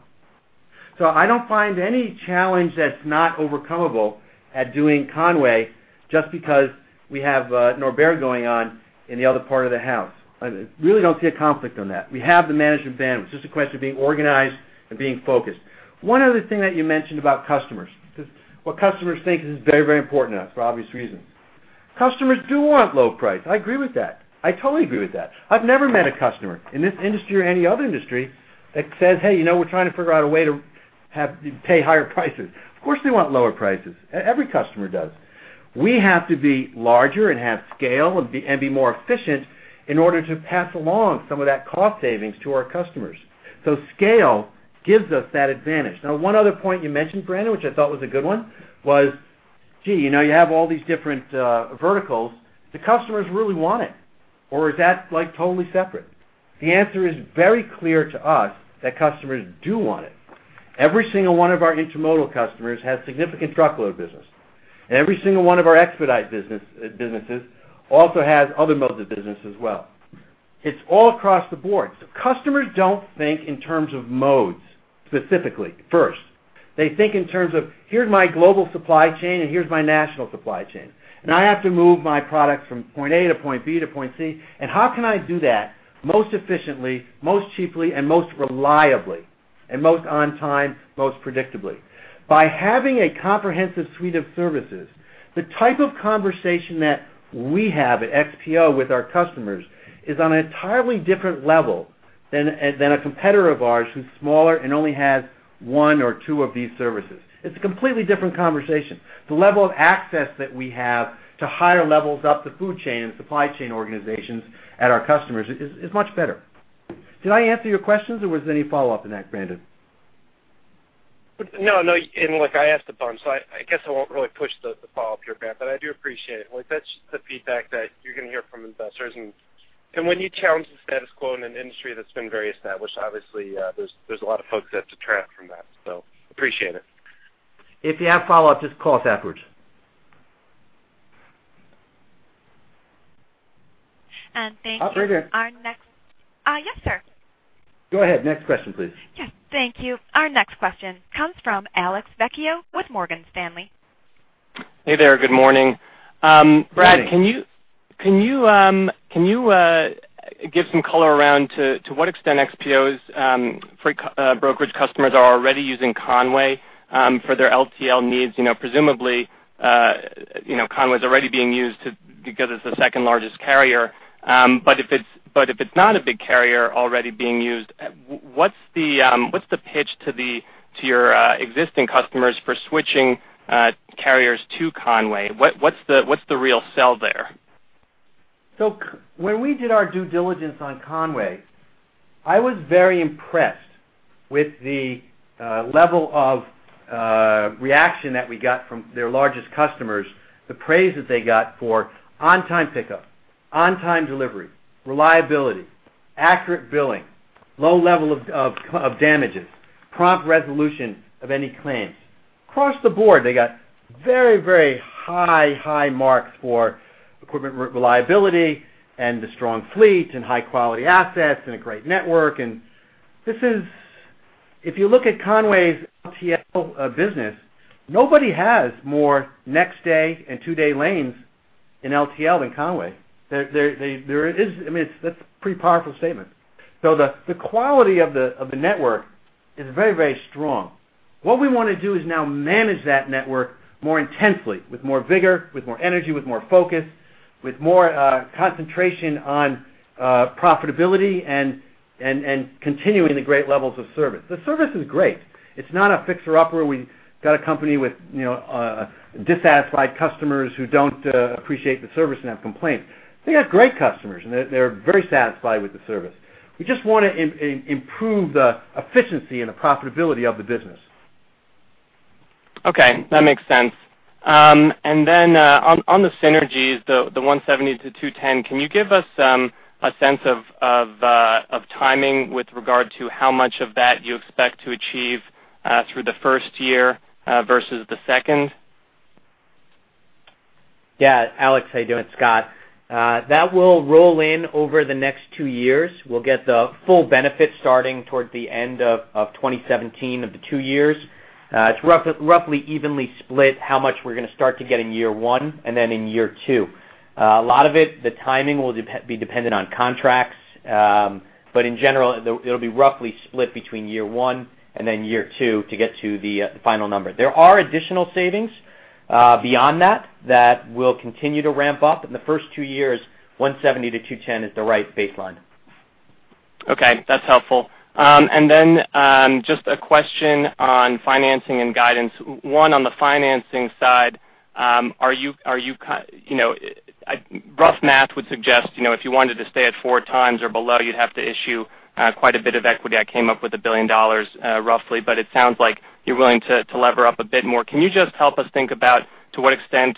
So I don't find any challenge that's not overcomeable at doing Con-way just because we have Norbert going on in the other part of the house. I really don't see a conflict on that. We have the management bandwidth. It's just a question of being organized and being focused. One other thing that you mentioned about customers, 'cause what customers think is very, very important to us, for obvious reasons. Customers do want low price. I agree with that. I totally agree with that. I've never met a customer, in this industry or any other industry, that says, "Hey, you know, we're trying to figure out a way to have -- pay higher prices." Of course, they want lower prices. Every customer does. We have to be larger and have scale and be and be more efficient in order to pass along some of that cost savings to our customers. So scale gives us that advantage. Now, one other point you mentioned, Brandon, which I thought was a good one, was, gee, you know, you have all these different verticals, the customers really want it, or is that, like, totally separate? The answer is very clear to us that customers do want it. Every single one of our intermodal customers has significant truckload business, and every single one of our expedite business businesses also has other modes of business as well. It's all across the board. So customers don't think in terms of modes, specifically, first. They think in terms of, here's my global supply chain, and here's my national supply chain, and I have to move my products from point A to point B to point C, and how can I do that most efficiently, most cheaply, and most reliably, and most on time, most predictably? By having a comprehensive suite of services, the type of conversation that we have at XPO with our customers is on an entirely different level than a, than a competitor of ours who's smaller and only has one or two of these services. It's a completely different conversation. The level of access that we have to higher levels up the food chain and supply chain organizations at our customers is, is much better. Did I answer your questions, or was there any follow-up in that, Brandon? No, no, and look, I asked a bunch, so I, I guess I won't really push the, the follow-up here, Brad, but I do appreciate it. Like, that's the feedback that you're going to hear from investors, and, and when you challenge the status quo in an industry that's been very established, obviously, there's, there's a lot of folks that detract from that, so appreciate it. If you have follow-up, just call us afterwards. Thank you. Operator. Our next... Yes, sir. Go ahead. Next question, please. Yes. Thank you. Our next question comes from Alex Vecchio with Morgan Stanley. Hey there. Good morning. Good morning. Brad, can you give some color around to what extent XPO's freight brokerage customers are already using Con-way for their LTL needs? You know, presumably, you know, Con-way is already being used, too, because it's the second-largest carrier, but if it's not a big carrier already being used, what's the pitch to your existing customers for switching carriers to Con-way? What's the real sell there? So, when we did our due diligence on Con-way, I was very impressed with the level of reaction that we got from their largest customers, the praise that they got for on-time pickup, on-time delivery, reliability, accurate billing, low level of damages, prompt resolution of any claims. Across the board, they got very, very high marks for equipment reliability and the strong fleet and high-quality assets and a great network. And this is, if you look at Con-way's LTL business, nobody has more next-day and two-day lanes in LTL than Con-way. There is, I mean, that's a pretty powerful statement. So the quality of the network is very, very strong. What we want to do is now manage that network more intensely, with more vigor, with more energy, with more focus, with more concentration on profitability and continuing the great levels of service. The service is great. It's not a fixer-upper, where we got a company with, you know, dissatisfied customers who don't appreciate the service and have complaints. They have great customers, and they're very satisfied with the service. We just want to improve the efficiency and the profitability of the business.... Okay, that makes sense. And then, on the synergies, the $170-$210, can you give us a sense of timing with regard to how much of that you expect to achieve through the first year versus the second? Yeah, Alex, how you doing, Scott? That will roll in over the next two years. We'll get the full benefit starting toward the end of 2017 of the two years. It's roughly evenly split, how much we're going to start to get in year one and then in year two. A lot of it, the timing will be dependent on contracts, but in general, it'll be roughly split between year one and then year two to get to the final number. There are additional savings beyond that that will continue to ramp up. In the first two years, $170 million-$210 million is the right baseline. Okay, that's helpful. And then, just a question on financing and guidance. One, on the financing side, are you, are you you know, rough math would suggest, you know, if you wanted to stay at four times or below, you'd have to issue, quite a bit of equity. I came up with $1 billion, roughly, but it sounds like you're willing to, to lever up a bit more. Can you just help us think about to what extent,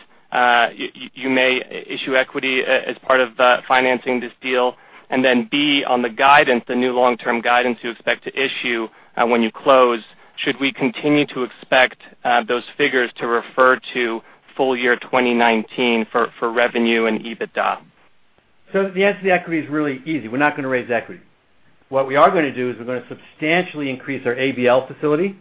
you may issue equity as part of, financing this deal? And then B, on the guidance, the new long-term guidance you expect to issue, when you close, should we continue to expect, those figures to refer to full year 2019 for revenue and EBITDA? So the answer to the equity is really easy. We're not going to raise equity. What we are going to do is we're going to substantially increase our ABL facility.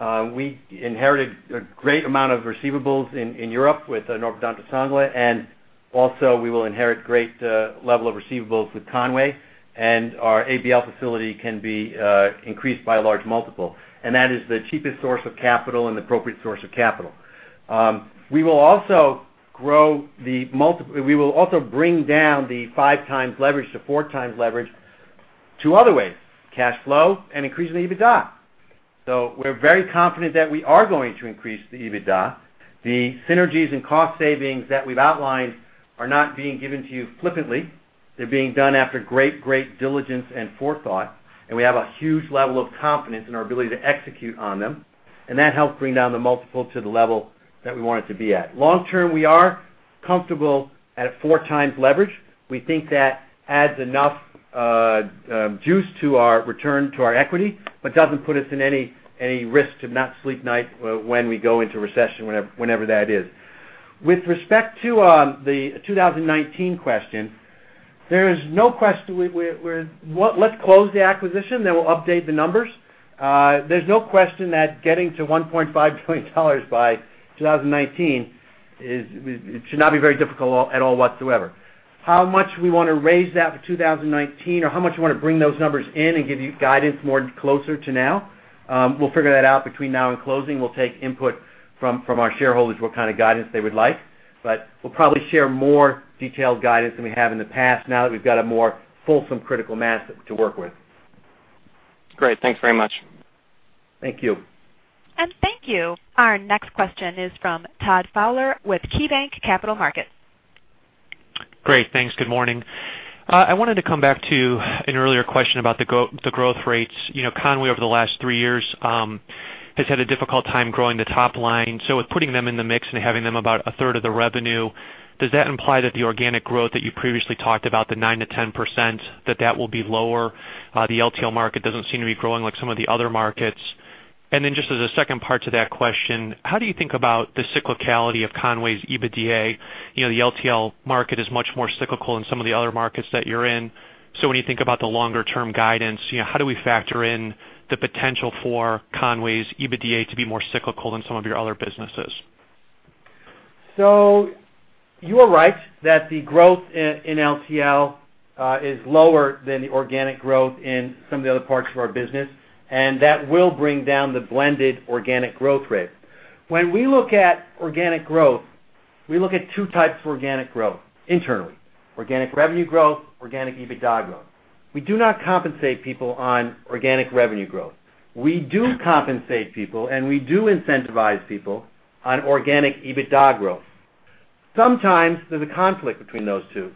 We inherited a great amount of receivables in Europe with Norbert Dentressangle, and also, we will inherit great level of receivables with Con-way, and our ABL facility can be increased by a large multiple, and that is the cheapest source of capital and appropriate source of capital. We will also grow the multiple. We will also bring down the 5x leverage to 4x leverage, two other ways, cash flow and increase the EBITDA. So we're very confident that we are going to increase the EBITDA. The synergies and cost savings that we've outlined are not being given to you flippantly. They're being done after great, great diligence and forethought, and we have a huge level of confidence in our ability to execute on them, and that helps bring down the multiple to the level that we want it to be at. Long term, we are comfortable at a 4x leverage. We think that adds enough juice to our return to our equity, but doesn't put us in any risk to not sleep at night when we go into recession, whenever that is. With respect to the 2019 question, there is no question. We're. Let's close the acquisition, then we'll update the numbers. There's no question that getting to $1.5 billion by 2019 it should not be very difficult at all whatsoever. How much we want to raise that for 2019, or how much we want to bring those numbers in and give you guidance more closer to now, we'll figure that out between now and closing. We'll take input from, from our shareholders, what kind of guidance they would like. But we'll probably share more detailed guidance than we have in the past, now that we've got a more fulsome critical mass to work with. Great. Thanks very much. Thank you. Thank you. Our next question is from Todd Fowler with KeyBanc Capital Markets. Great. Thanks. Good morning. I wanted to come back to an earlier question about the growth rates. You know, Con-way, over the last three years, has had a difficult time growing the top line. So with putting them in the mix and having them about a third of the revenue, does that imply that the organic growth that you previously talked about, the 9%-10%, that that will be lower? The LTL market doesn't seem to be growing like some of the other markets. And then just as a second part to that question, how do you think about the cyclicality of Con-way's EBITDA? You know, the LTL market is much more cyclical than some of the other markets that you're in. When you think about the longer-term guidance, you know, how do we factor in the potential for Con-way's EBITDA to be more cyclical than some of your other businesses? So you are right that the growth in LTL is lower than the organic growth in some of the other parts of our business, and that will bring down the blended organic growth rate. When we look at organic growth, we look at two types of organic growth internally, organic revenue growth, organic EBITDA growth. We do not compensate people on organic revenue growth. We do compensate people, and we do incentivize people on organic EBITDA growth. Sometimes there's a conflict between those two.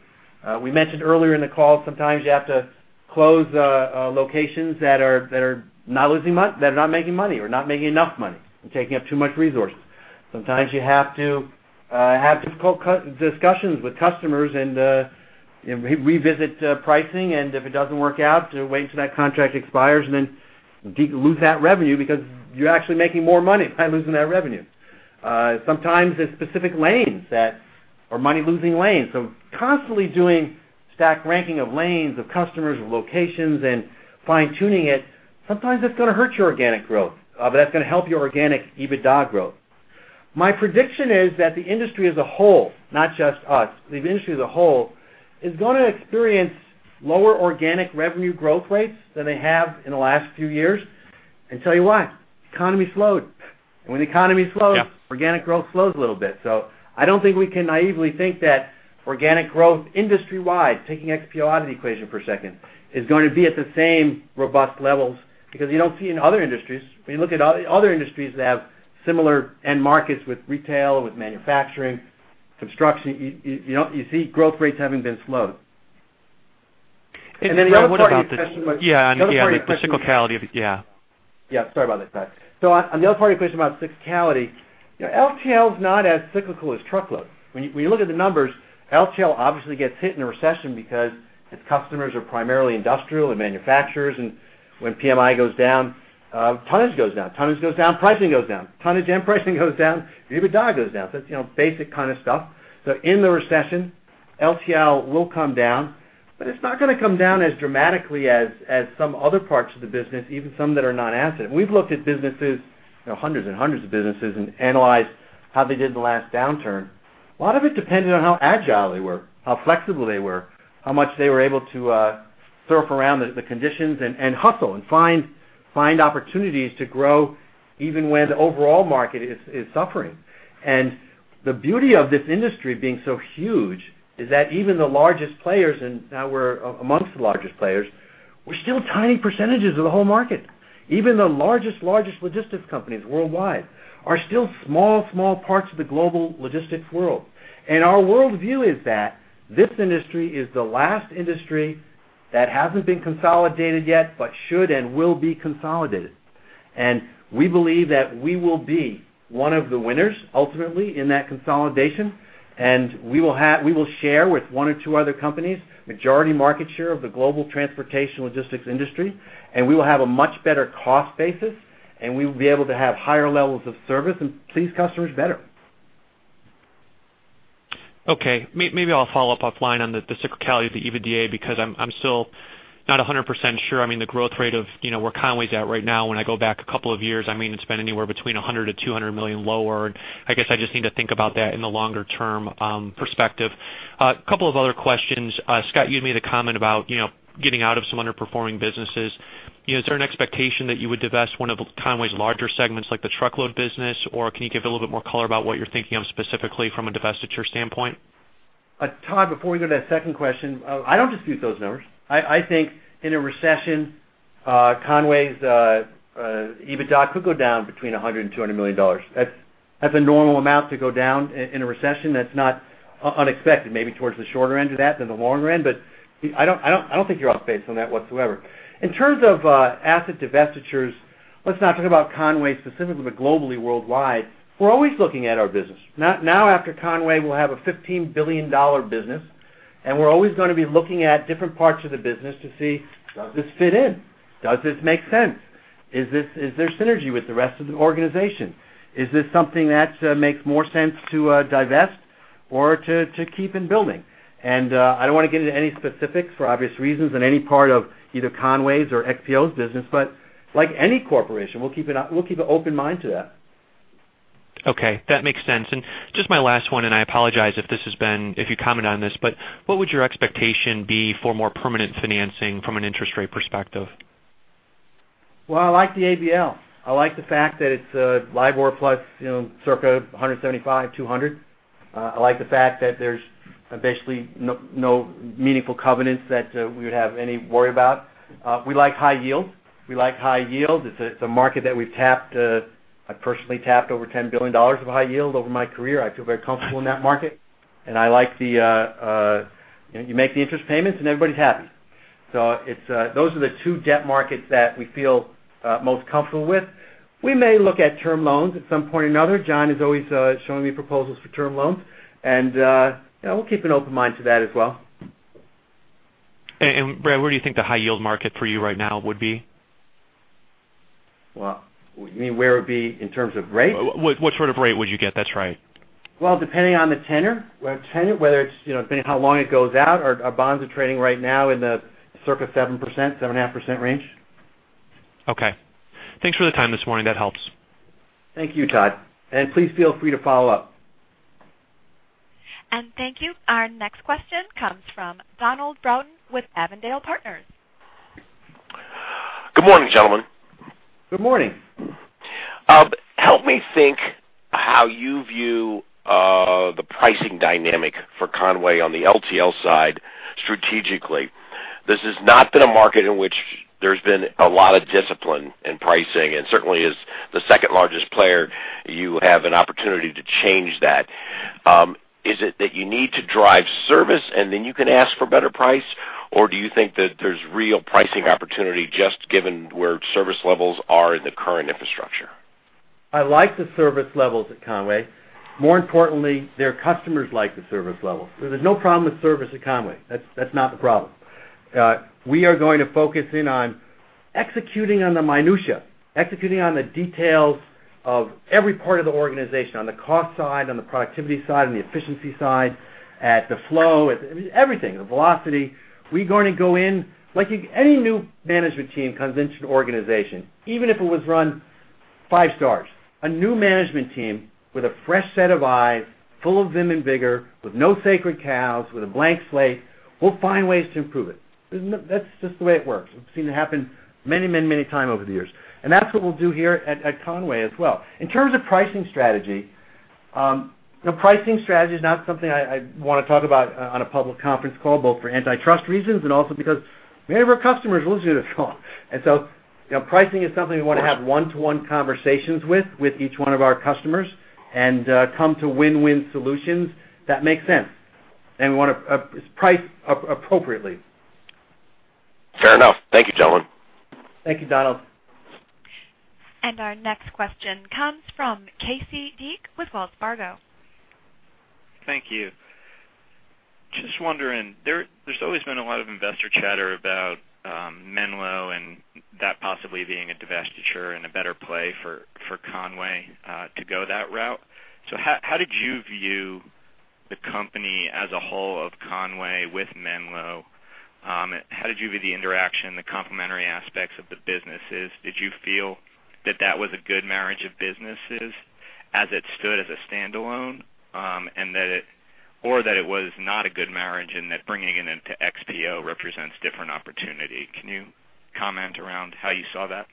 We mentioned earlier in the call, sometimes you have to close locations that are not losing money, that are not making money or not making enough money and taking up too much resources. Sometimes you have to have difficult discussions with customers and revisit pricing, and if it doesn't work out, to wait until that contract expires and then lose that revenue because you're actually making more money by losing that revenue. Sometimes it's specific lanes that are money-losing lanes. So constantly doing stack ranking of lanes, of customers, of locations, and fine-tuning it, sometimes that's going to hurt your organic growth, but that's going to help your organic EBITDA growth. My prediction is that the industry as a whole, not just us, the industry as a whole, is going to experience lower organic revenue growth rates than they have in the last few years. And tell you why: economy slowed. And when the economy slows- Yeah. Organic growth slows a little bit. So I don't think we can naively think that organic growth, industry-wide, taking XPO out of the equation per second, is going to be at the same robust levels, because you don't see in other industries. When you look at other industries that have similar end markets with retail, with manufacturing, construction, you know, you see growth rates having been slowed.... And then the other part, yeah, and the cyclicality of it, yeah. Yeah, sorry about that. So on the other part of your question about cyclicality, you know, LTL is not as cyclical as truckload. When you, when you look at the numbers, LTL obviously gets hit in a recession because its customers are primarily industrial and manufacturers, and when PMI goes down, tonnage goes down. Tonnage goes down, pricing goes down. Tonnage and pricing goes down, EBITDA goes down. So it's, you know, basic kind of stuff. So in the recession, LTL will come down, but it's not going to come down as dramatically as, as some other parts of the business, even some that are not asset. We've looked at businesses, you know, hundreds and hundreds of businesses, and analyzed how they did in the last downturn. A lot of it depended on how agile they were, how flexible they were, how much they were able to surf around the, the conditions and, and hustle and find, find opportunities to grow even when the overall market is, is suffering. The beauty of this industry being so huge is that even the largest players, and now we're amongst the largest players, we're still tiny percentages of the whole market. Even the largest, largest logistics companies worldwide are still small, small parts of the global logistics world. Our worldview is that this industry is the last industry that hasn't been consolidated yet, but should and will be consolidated. We believe that we will be one of the winners ultimately in that consolidation, and we will have, we will share with one or two other companies majority market share of the global transportation logistics industry, and we will have a much better cost basis, and we will be able to have higher levels of service and please customers better. Okay. Maybe I'll follow up offline on the cyclicality of the EBITDA, because I'm still not 100% sure. I mean, the growth rate of, you know, where Con-way's at right now, when I go back a couple of years, I mean, it's been anywhere between $100 million-$200 million lower. I guess I just need to think about that in the longer term perspective. A couple of other questions. Scott, you made a comment about, you know, getting out of some underperforming businesses. You know, is there an expectation that you would divest one of Con-way's larger segments, like the truckload business, or can you give a little bit more color about what you're thinking of specifically from a divestiture standpoint? Todd, before we go to that second question, I don't dispute those numbers. I think in a recession, Con-way's EBITDA could go down between $100 million and $200 million. That's a normal amount to go down in a recession. That's not unexpected, maybe towards the shorter end of that than the longer end, but I don't think you're off base on that whatsoever. In terms of asset divestitures, let's not talk about Con-way specifically, but globally, worldwide, we're always looking at our business. Now, after Con-way, we'll have a $15 billion business, and we're always gonna be looking at different parts of the business to see, does this fit in? Does this make sense? Is there synergy with the rest of the organization? Is this something that makes more sense to divest or to keep in building? And, I don't want to get into any specifics, for obvious reasons, on any part of either Con-way's or XPO's business, but like any corporation, we'll keep an open mind to that. Okay, that makes sense. And just my last one, and I apologize if this has been... If you comment on this, but what would your expectation be for more permanent financing from an interest rate perspective? Well, I like the ABL. I like the fact that it's a LIBOR plus, you know, circa 175-200. I like the fact that there's basically no, no meaningful covenants that we would have any worry about. We like high yield. We like high yield. It's a market that we've tapped. I personally tapped over $10 billion of high yield over my career. I feel very comfortable in that market, and I like the you make the interest payments and everybody's happy. So it's those are the two debt markets that we feel most comfortable with. We may look at term loans at some point or another. John is always showing me proposals for term loans, and yeah, we'll keep an open mind to that as well. Brad, where do you think the high-yield market for you right now would be? Well, you mean where it would be in terms of rate? What, what sort of rate would you get? That's right. Well, depending on the tenor, whether it's, you know, depending on how long it goes out, our bonds are trading right now in the circa 7%-7.5% range. Okay. Thanks for the time this morning. That helps. Thank you, Todd, and please feel free to follow up. And thank you. Our next question comes from Donald Broughton with Avondale Partners. Good morning, gentlemen. Good morning. Help me think how you view the pricing dynamic for Con-way on the LTL side strategically. This has not been a market in which there's been a lot of discipline in pricing, and certainly as the second-largest player, you have an opportunity to change that. Is it that you need to drive service, and then you can ask for a better price? Or do you think that there's real pricing opportunity just given where service levels are in the current infrastructure? I like the service levels at Con-way. More importantly, their customers like the service level. There's no problem with service at Con-way. That's not the problem. We are going to focus in on executing on the minutiae, executing on the details of every part of the organization, on the cost side, on the productivity side, on the efficiency side, at the flow, at everything, the velocity. We're going to go in like any new management team comes into an organization, even if it was run five stars. A new management team with a fresh set of eyes, full of vim and vigor, with no sacred cows, with a blank slate, will find ways to improve it. That's just the way it works. We've seen it happen many, many, many times over the years, and that's what we'll do here at Con-way as well. In terms of pricing strategy, the pricing strategy is not something I want to talk about on a public conference call, both for antitrust reasons and also because many of our customers listen to the call. You know, pricing is something we want to have one-to-one conversations with each one of our customers and come to win-win solutions that make sense, and we want to price appropriately. Fair enough. Thank you, gentlemen. Thank you, Donald. Our next question comes from Casey Deak with Wells Fargo. Thank you. Just wondering, there, there's always been a lot of investor chatter about Menlo and that possibly being a divestiture and a better play for, for Con-way, to go that route. So how, how did you view the company as a whole of Con-way with Menlo? How did you view the interaction, the complementary aspects of the businesses? Did you feel that that was a good marriage of businesses as it stood as a standalone, and that it or that it was not a good marriage and that bringing it into XPO represents different opportunity? Can you comment around how you saw that?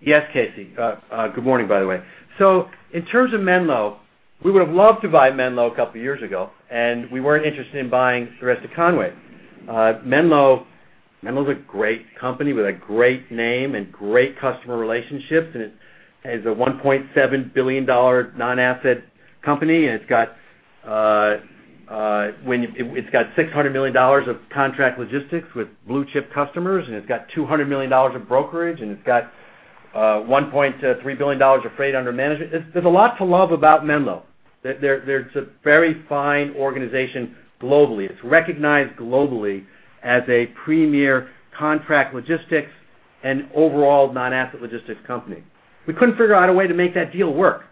Yes, Casey. Good morning, by the way. So in terms of Menlo, we would have loved to buy Menlo a couple years ago, and we weren't interested in buying the rest of Con-way. Menlo is a great company with a great name and great customer relationships, and it has a $1.7 billion non-asset company, and it's got $600 million of contract logistics with blue-chip customers, and it's got $200 million of brokerage, and it's got $1.3 billion of freight under management. There's a lot to love about Menlo. It's a very fine organization globally. It's recognized globally as a premier contract logistics and overall non-asset logistics company. We couldn't figure out a way to make that deal work.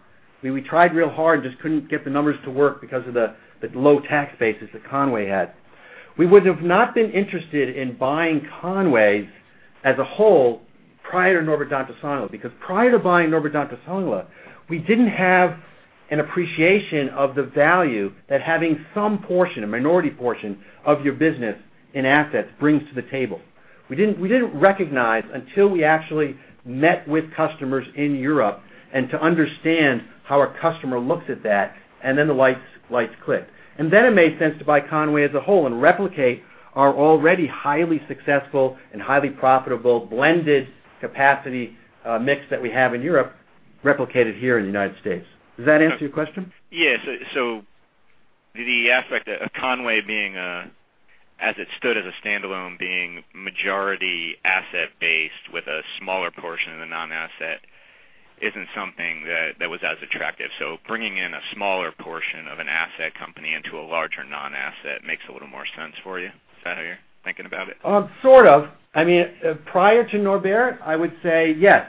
We tried real hard, just couldn't get the numbers to work because of the low tax bases that Con-way had. We would have not been interested in buying Con-way as a whole prior to Norbert Dentressangle, because prior to buying Norbert Dentressangle, we didn't have an appreciation of the value that having some portion, a minority portion, of your business in assets brings to the table. We didn't recognize until we actually met with customers in Europe and to understand how a customer looks at that, and then the lights clicked. And then it made sense to buy Con-way as a whole and replicate our already highly successful and highly profitable blended capacity, mix that we have in Europe, replicated here in the United States. Does that answer your question? Yes. So the aspect of Con-way being, as it stood as a standalone, being majority asset-based with a smaller portion of the non-asset, isn't something that was as attractive. So bringing in a smaller portion of an asset company into a larger non-asset makes a little more sense for you? Is that how you're thinking about it? Sort of. I mean, prior to Norbert, I would say, yes,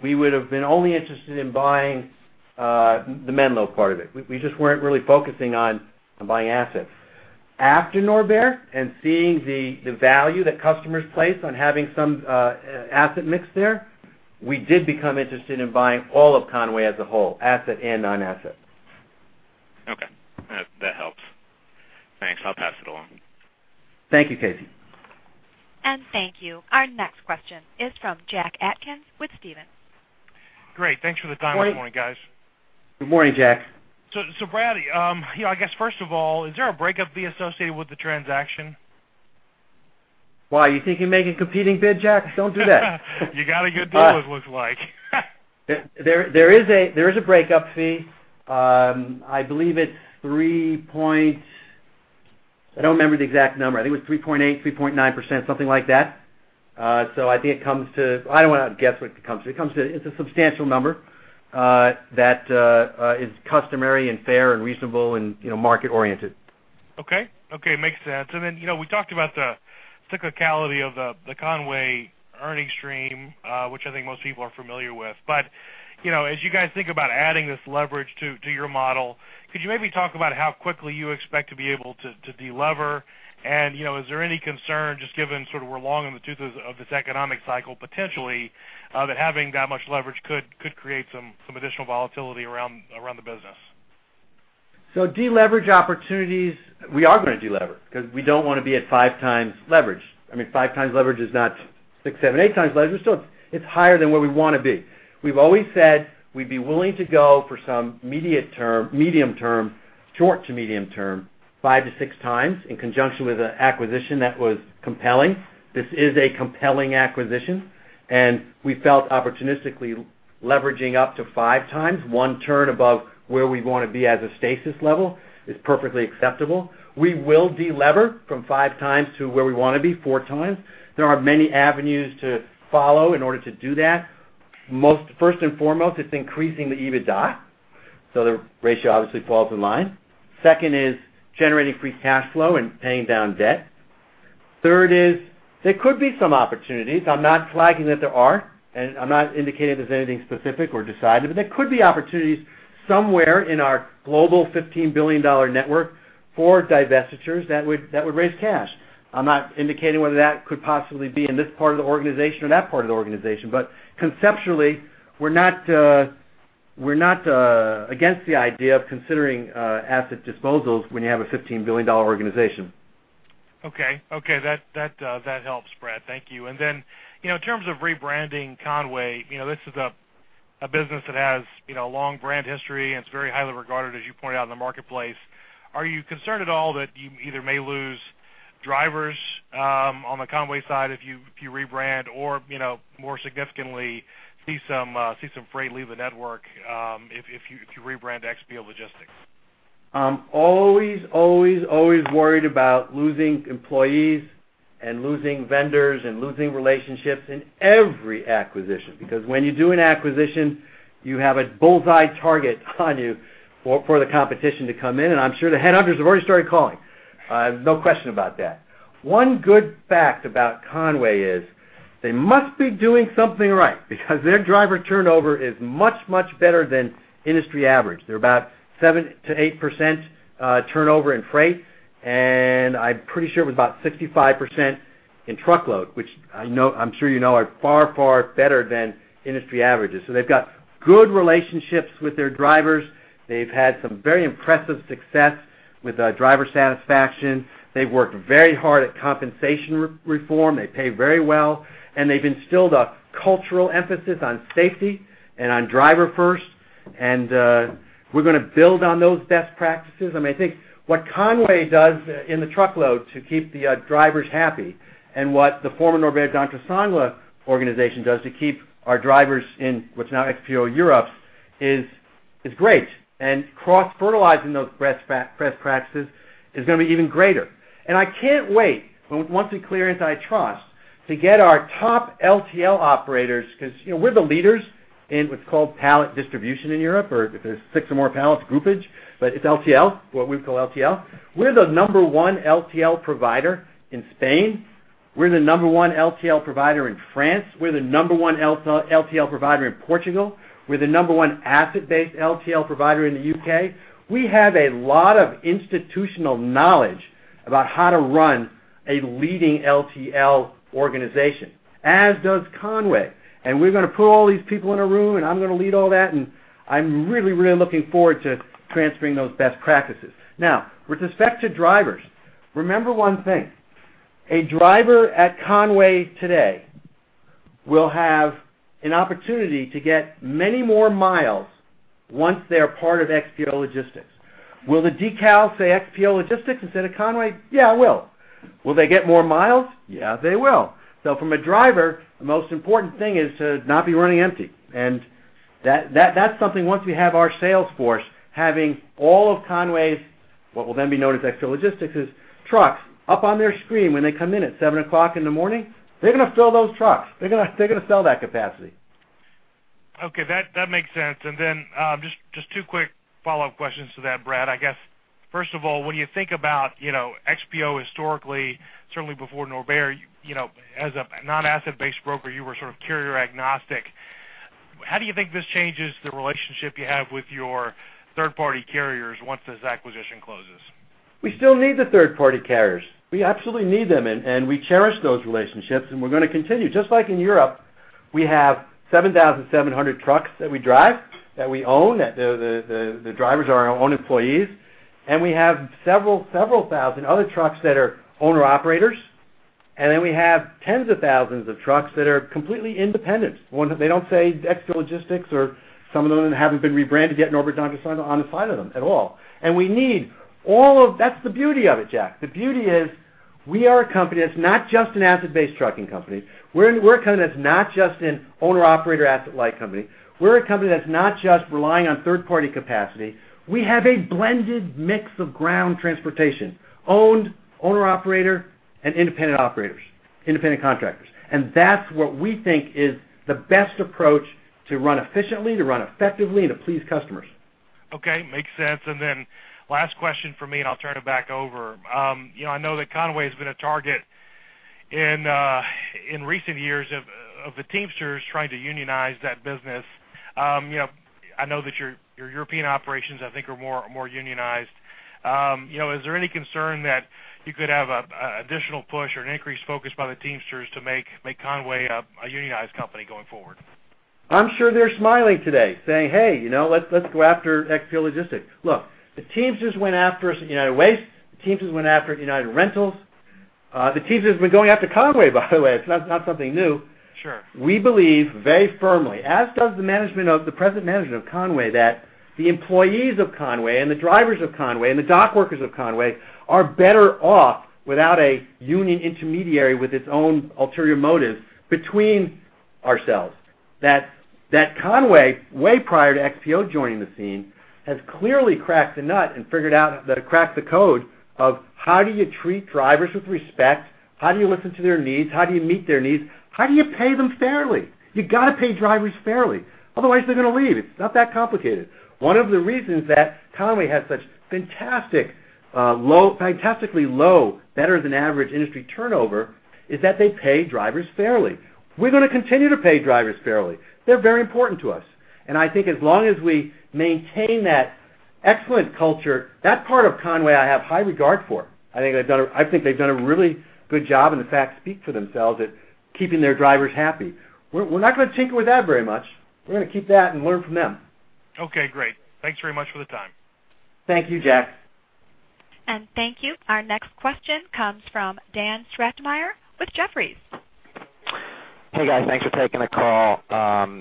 we would have been only interested in buying the Menlo part of it. We just weren't really focusing on buying assets. After Norbert, and seeing the value that customers place on having some asset mix there, we did become interested in buying all of Con-way as a whole, asset and non-asset. Okay. That helps. Thanks. I'll pass it along. Thank you, Casey. Thank you. Our next question is from Jack Atkins with Stephens. Great. Thanks for the time this morning, guys. Good morning, Jack. So, Brad, you know, I guess, first of all, is there a breakup fee associated with the transaction? Why? You thinking of making a competing bid, Jack? Don't do that. You got a good deal, it looks like. There is a breakup fee. I believe it's 3 point... I don't remember the exact number. I think it was 3.8, 3.9%, something like that. So I think it comes to. I don't want to guess what it comes to. It comes to, it's a substantial number, that is customary and fair and reasonable and, you know, market-oriented. Okay. Okay, makes sense. And then, you know, we talked about the cyclicality of the Con-way earnings stream, which I think most people are familiar with. But, you know, as you guys think about adding this leverage to your model, could you maybe talk about how quickly you expect to be able to delever? And, you know, is there any concern, just given sort of we're long in the tooth of this economic cycle, potentially, that having that much leverage could create some additional volatility around the business? So deleverage opportunities, we are going to delever because we don't want to be at 5 times leverage. I mean, 5 times leverage is not 6, 7, 8 times leverage, still, it's higher than where we want to be. We've always said we'd be willing to go for some medium term, short to medium term, 5-6 times in conjunction with an acquisition that was compelling. This is a compelling acquisition, and we felt opportunistically leveraging up to 5 times, 1 turn above where we want to be as a steady-state level, is perfectly acceptable. We will delever from 5 times to where we want to be, 4 times. There are many avenues to follow in order to do that. Most, first and foremost, it's increasing the EBITDA, so the ratio obviously falls in line. Second is generating free cash flow and paying down debt. Third is, there could be some opportunities. I'm not flagging that there are, and I'm not indicating there's anything specific or decided, but there could be opportunities somewhere in our global $15 billion network for divestitures that would, that would raise cash. I'm not indicating whether that could possibly be in this part of the organization or that part of the organization, but conceptually, we're not, we're not, against the idea of considering, asset disposals when you have a $15 billion organization. Okay. That helps, Brad. Thank you. And then, you know, in terms of rebranding Con-way, you know, this is a business that has, you know, a long brand history, and it's very highly regarded, as you pointed out, in the marketplace. Are you concerned at all that you either may lose drivers on the Con-way side, if you rebrand or, you know, more significantly, see some freight leave the network, if you rebrand XPO Logistics? I'm always, always, always worried about losing employees and losing vendors and losing relationships in every acquisition, because when you do an acquisition, you have a bull's-eye target on you for, for the competition to come in, and I'm sure the headhunters have already started calling. No question about that. One good fact about Con-way is they must be doing something right because their driver turnover is much, much better than industry average. They're about 7%-8% turnover in freight, and I'm pretty sure it was about 65% in truckload, which I know—I'm sure you know, are far, far better than industry averages. So they've got good relationships with their drivers. They've had some very impressive success with driver satisfaction. They've worked very hard at compensation reform. They pay very well, and they've instilled a cultural emphasis on safety and on driver first, and we're going to build on those best practices. I mean, I think what Con-way does in the truckload to keep the drivers happy and what the former Norbert Dentressangle organization does to keep our drivers in what's now XPO Europe is great, and cross-fertilizing those best practices is going to be even greater. I can't wait, once we clear antitrust, to get our top LTL operators, because, you know, we're the leaders in what's called pallet distribution in Europe, or if there's six or more pallets, groupage, but it's LTL, what we call LTL. We're the number one LTL provider in Spain. We're the number one LTL provider in France. We're the number one LTL provider in Portugal. We're the number one asset-based LTL provider in the U.K. We have a lot of institutional knowledge about how to run a leading LTL organization, as does Con-way. We're going to put all these people in a room, and I'm going to lead all that, and I'm really, really looking forward to transferring those best practices. Now, with respect to drivers, remember one thing, a driver at Con-way today will have an opportunity to get many more miles once they are part of XPO Logistics. Will the decal say XPO Logistics instead of Con-way? Yeah, it will. Will they get more miles? Yeah, they will. From a driver, the most important thing is to not be running empty, and that, that's something once we have our sales force, having all of Con-way's, what will then be known as XPO Logistics's trucks, up on their screen when they come in at 7:00 A.M., they're going to fill those trucks. They're going to, they're going to sell that capacity. Okay, that makes sense. And then, just two quick follow-up questions to that, Brad. I guess, first of all, when you think about, you know, XPO historically, certainly before Norbert, you know, as a non-asset-based broker, you were sort of carrier agnostic. How do you think this changes the relationship you have with your third-party carriers once this acquisition closes? We still need the third-party carriers. We absolutely need them, and we cherish those relationships, and we're going to continue. Just like in Europe, we have 7,700 trucks that we drive, that we own, that the drivers are our own employees, and we have several thousand other trucks that are owner-operators, and then we have tens of thousands of trucks that are completely independent. One, they don't say XPO Logistics, or some of them haven't been rebranded yet, Norbert Dentressangle on the side of them at all. And we need all of... That's the beauty of it, Jack. The beauty is, we are a company that's not just an asset-based trucking company. We're a company that's not just an owner-operator, asset-light company. We're a company that's not just relying on third-party capacity. We have a blended mix of ground transportation, owned, owner-operator, and independent operators, independent contractors, and that's what we think is the best approach to run efficiently, to run effectively, and to please customers. Okay, makes sense. And then last question for me, and I'll turn it back over. You know, I know that Con-way has been a target in recent years of the Teamsters trying to unionize that business. You know, I know that your European operations, I think, are more unionized. You know, is there any concern that you could have an additional push or an increased focus by the Teamsters to make Con-way a unionized company going forward? I'm sure they're smiling today, saying, "Hey, you know, let's, let's go after XPO Logistics." Look, the Teamsters went after United Waste, the Teamsters went after United Rentals. The Teamsters have been going after Conway, by the way. It's not, not something new. Sure. We believe very firmly, as does the present management of Conway, that the employees of Conway and the drivers of Conway and the dock workers of Conway are better off without a union intermediary with its own ulterior motives between ourselves. That Conway, way prior to XPO joining the scene, has clearly cracked the nut and figured out that it cracked the code of how do you treat drivers with respect? How do you listen to their needs? How do you meet their needs? How do you pay them fairly? You got to pay drivers fairly, otherwise they're going to leave. It's not that complicated. One of the reasons that Conway has such fantastic, fantastically low, better than average industry turnover, is that they pay drivers fairly. We're going to continue to pay drivers fairly. They're very important to us, and I think as long as we maintain that excellent culture, that part of Conway, I have high regard for. I think they've done a really good job, and the facts speak for themselves at keeping their drivers happy. We're not going to tinker with that very much. We're going to keep that and learn from them. Okay, great. Thanks very much for the time. Thank you, Jack. Thank you. Our next question comes from Dan Strachman with Jefferies. ...Hey, guys. Thanks for taking the call.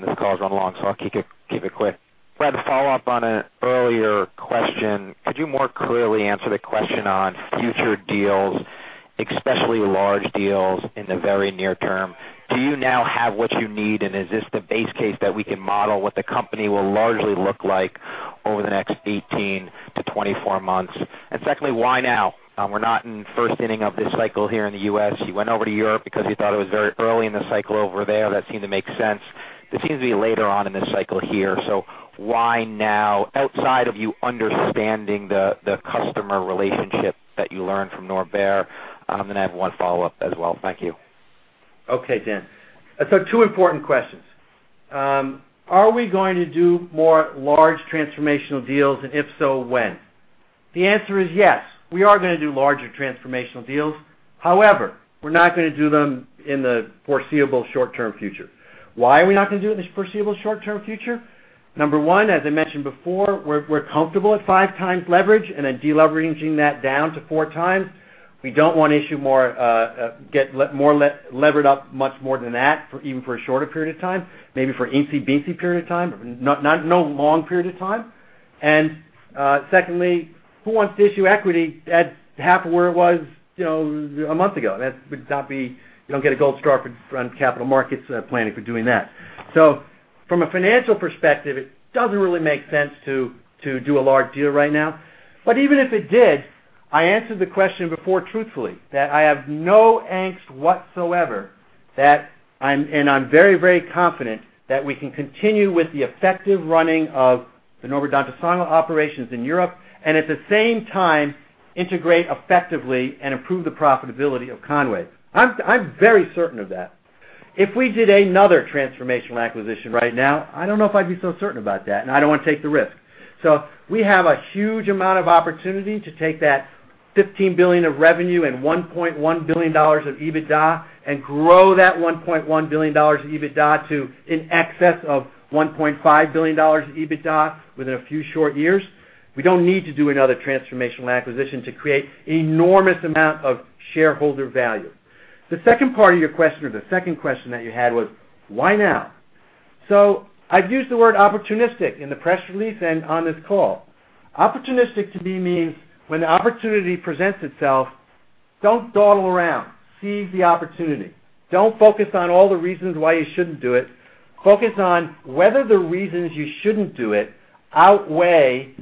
This call is run long, so I'll keep it quick. Brad, to follow up on an earlier question, could you more clearly answer the question on future deals, especially large deals, in the very near term? Do you now have what you need, and is this the base case that we can model what the company will largely look like over the next 18 to 24 months? And secondly, why now? We're not in the first inning of this cycle here in the U.S. You went over to Europe because you thought it was very early in the cycle over there. That seemed to make sense. It seems to be later on in this cycle here, so why now, outside of you understanding the customer relationship that you learned from Norbert? I have one follow-up as well. Thank you. Okay, Dan. So 2 important questions. Are we going to do more large transformational deals, and if so, when? The answer is yes, we are gonna do larger transformational deals. However, we're not gonna do them in the foreseeable short-term future. Why are we not gonna do it in the foreseeable short-term future? Number one, as I mentioned before, we're, we're comfortable at 5 times leverage and then deleveraging that down to 4 times. We don't want to issue more, get more levered up much more than that, for even for a shorter period of time, maybe for an eensy-beensy period of time, not no long period of time. And secondly, who wants to issue equity at half of where it was, you know, a month ago? That would not be, you don't get a gold star for on capital markets planning for doing that. So from a financial perspective, it doesn't really make sense to do a large deal right now. But even if it did, I answered the question before truthfully, that I have no angst whatsoever, that I'm... And I'm very, very confident that we can continue with the effective running of the Norbert Dentressangle operations in Europe, and at the same time, integrate effectively and improve the profitability of Conway. I'm very certain of that. If we did another transformational acquisition right now, I don't know if I'd be so certain about that, and I don't want to take the risk. So we have a huge amount of opportunity to take that $15 billion of revenue and $1.1 billion of EBITDA, and grow that $1.1 billion of EBITDA to in excess of $1.5 billion of EBITDA within a few short years. We don't need to do another transformational acquisition to create enormous amount of shareholder value. The second part of your question, or the second question that you had, was: why now? So I've used the word opportunistic in the press release and on this call. Opportunistic to me means when the opportunity presents itself, don't dawdle around. Seize the opportunity. Don't focus on all the reasons why you shouldn't do it. Focus on whether the reasons you shouldn't do it outweigh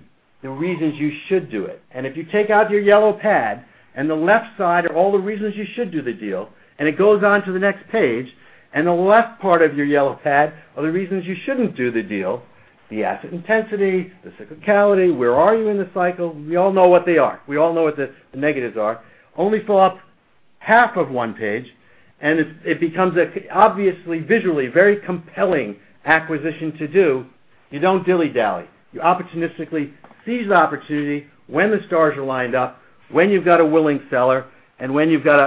the reasons you should do it. And if you take out your yellow pad and the left side are all the reasons you should do the deal, and it goes on to the next page, and the left part of your yellow pad are the reasons you shouldn't do the deal, the asset intensity, the cyclicality, where are you in the cycle? We all know what they are. We all know what the negatives are. It only fills up half of one page, and it becomes obviously, visually, very compelling acquisition to do. You don't dilly-dally. You opportunistically seize the opportunity when the stars are lined up, when you've got a willing seller, and when you've got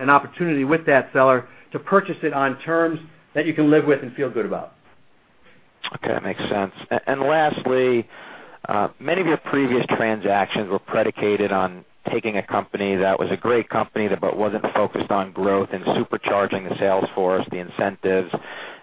an opportunity with that seller to purchase it on terms that you can live with and feel good about. Okay, that makes sense. And lastly, many of your previous transactions were predicated on taking a company that was a great company, but wasn't focused on growth and supercharging the sales force, the incentives,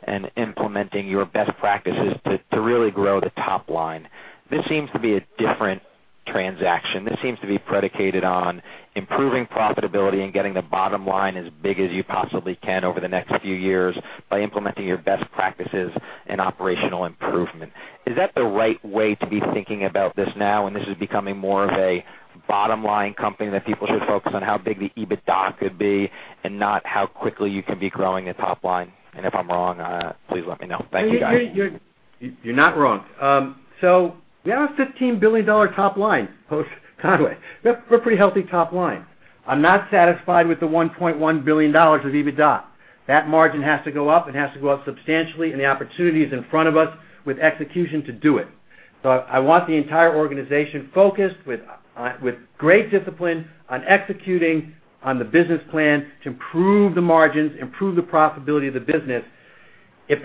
and implementing your best practices to really grow the top line. This seems to be a different transaction. This seems to be predicated on improving profitability and getting the bottom line as big as you possibly can over the next few years by implementing your best practices and operational improvement. Is that the right way to be thinking about this now, and this is becoming more of a bottom-line company, that people should focus on how big the EBITDA could be and not how quickly you can be growing the top line? And if I'm wrong, please let me know. Thank you, guys. You're, you're not wrong. So we have a $15 billion top line, post-Con-way. We have a pretty healthy top line. I'm not satisfied with the $1.1 billion of EBITDA. That margin has to go up, and it has to go up substantially, and the opportunity is in front of us with execution to do it. So I want the entire organization focused with great discipline on executing on the business plan to improve the margins, improve the profitability of the business. If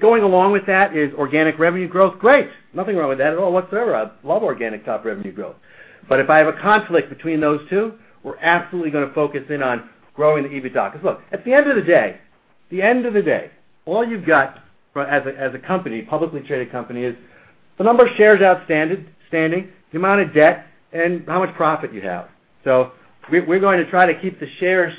going along with that is organic revenue growth, great! Nothing wrong with that at all, whatsoever. I love organic top revenue growth. But if I have a conflict between those two, we're absolutely gonna focus in on growing the EBITDA. Because look, at the end of the day, the end of the day, all you've got, as a publicly traded company, is the number of shares outstanding, the amount of debt, and how much profit you have. So we're going to try to keep the shares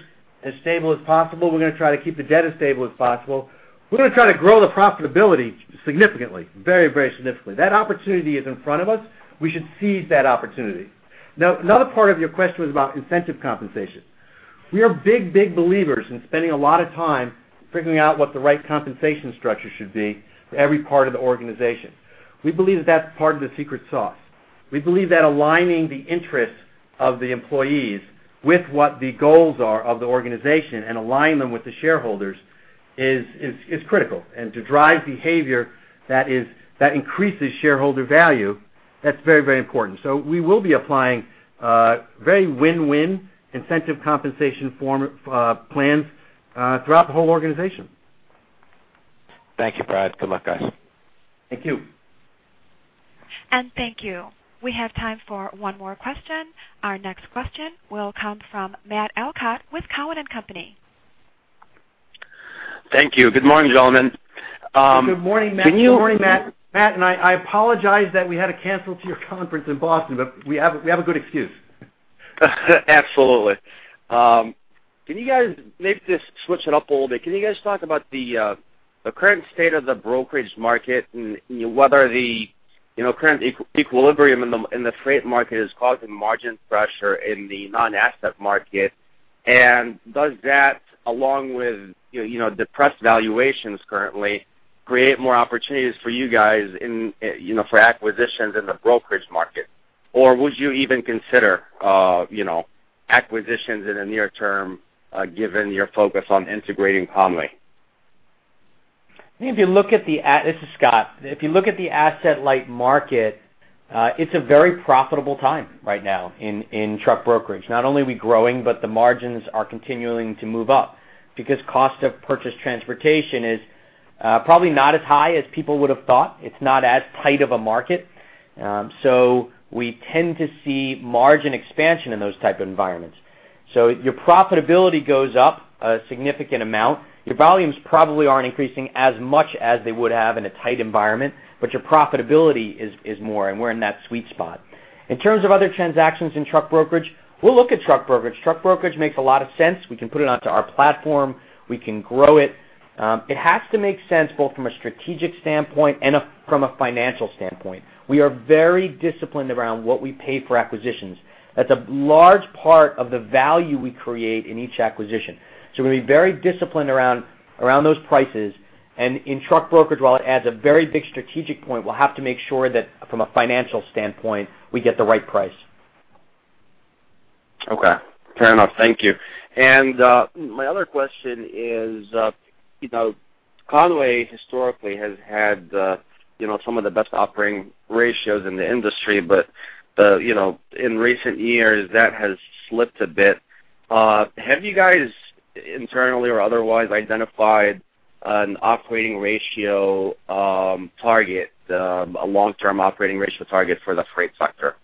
as stable as possible. We're gonna try to keep the debt as stable as possible. We're gonna try to grow the profitability significantly. Very, very significantly. That opportunity is in front of us. We should seize that opportunity. Now, another part of your question was about incentive compensation. We are big, big believers in spending a lot of time figuring out what the right compensation structure should be for every part of the organization. We believe that that's part of the secret sauce. We believe that aligning the interests of the employees with what the goals are of the organization, and align them with the shareholders, is critical. And to drive behavior that increases shareholder value, that's very, very important. So we will be applying very win-win incentive compensation form plans throughout the whole organization. Thank you, Brad. Good luck, guys. Thank you.... Thank you. We have time for one more question. Our next question will come from Matt Elkott with Cowen and Company. Thank you. Good morning, gentlemen. Can you- Good morning, Matt. Good morning, Matt. Matt, and I, I apologize that we had to cancel to your conference in Boston, but we have, we have a good excuse. Absolutely. Can you guys maybe just switch it up a little bit? Can you guys talk about the current state of the brokerage market and whether the, you know, current equilibrium in the freight market is causing margin pressure in the non-asset market? And does that, along with, you know, you know, depressed valuations currently, create more opportunities for you guys in, you know, for acquisitions in the brokerage market? Or would you even consider, you know, acquisitions in the near term, given your focus on integrating Con-way? This is Scott. If you look at the asset-light market, it's a very profitable time right now in truck brokerage. Not only are we growing, but the margins are continuing to move up because cost of purchase transportation is probably not as high as people would have thought. It's not as tight of a market. So we tend to see margin expansion in those type of environments. So your profitability goes up a significant amount. Your volumes probably aren't increasing as much as they would have in a tight environment, but your profitability is more, and we're in that sweet spot. In terms of other transactions in truck brokerage, we'll look at truck brokerage. Truck brokerage makes a lot of sense. We can put it onto our platform. We can grow it. It has to make sense, both from a strategic standpoint and from a financial standpoint. We are very disciplined around what we pay for acquisitions. That's a large part of the value we create in each acquisition. So we're very disciplined around those prices. And in truck brokerage, while it adds a very big strategic point, we'll have to make sure that from a financial standpoint, we get the right price. Okay, fair enough. Thank you. And, my other question is, you know, Con-way historically has had, you know, some of the best operating ratios in the industry, but the, you know, in recent years, that has slipped a bit. Have you guys internally or otherwise identified an operating ratio, target, a long-term operating ratio target for the freight sector?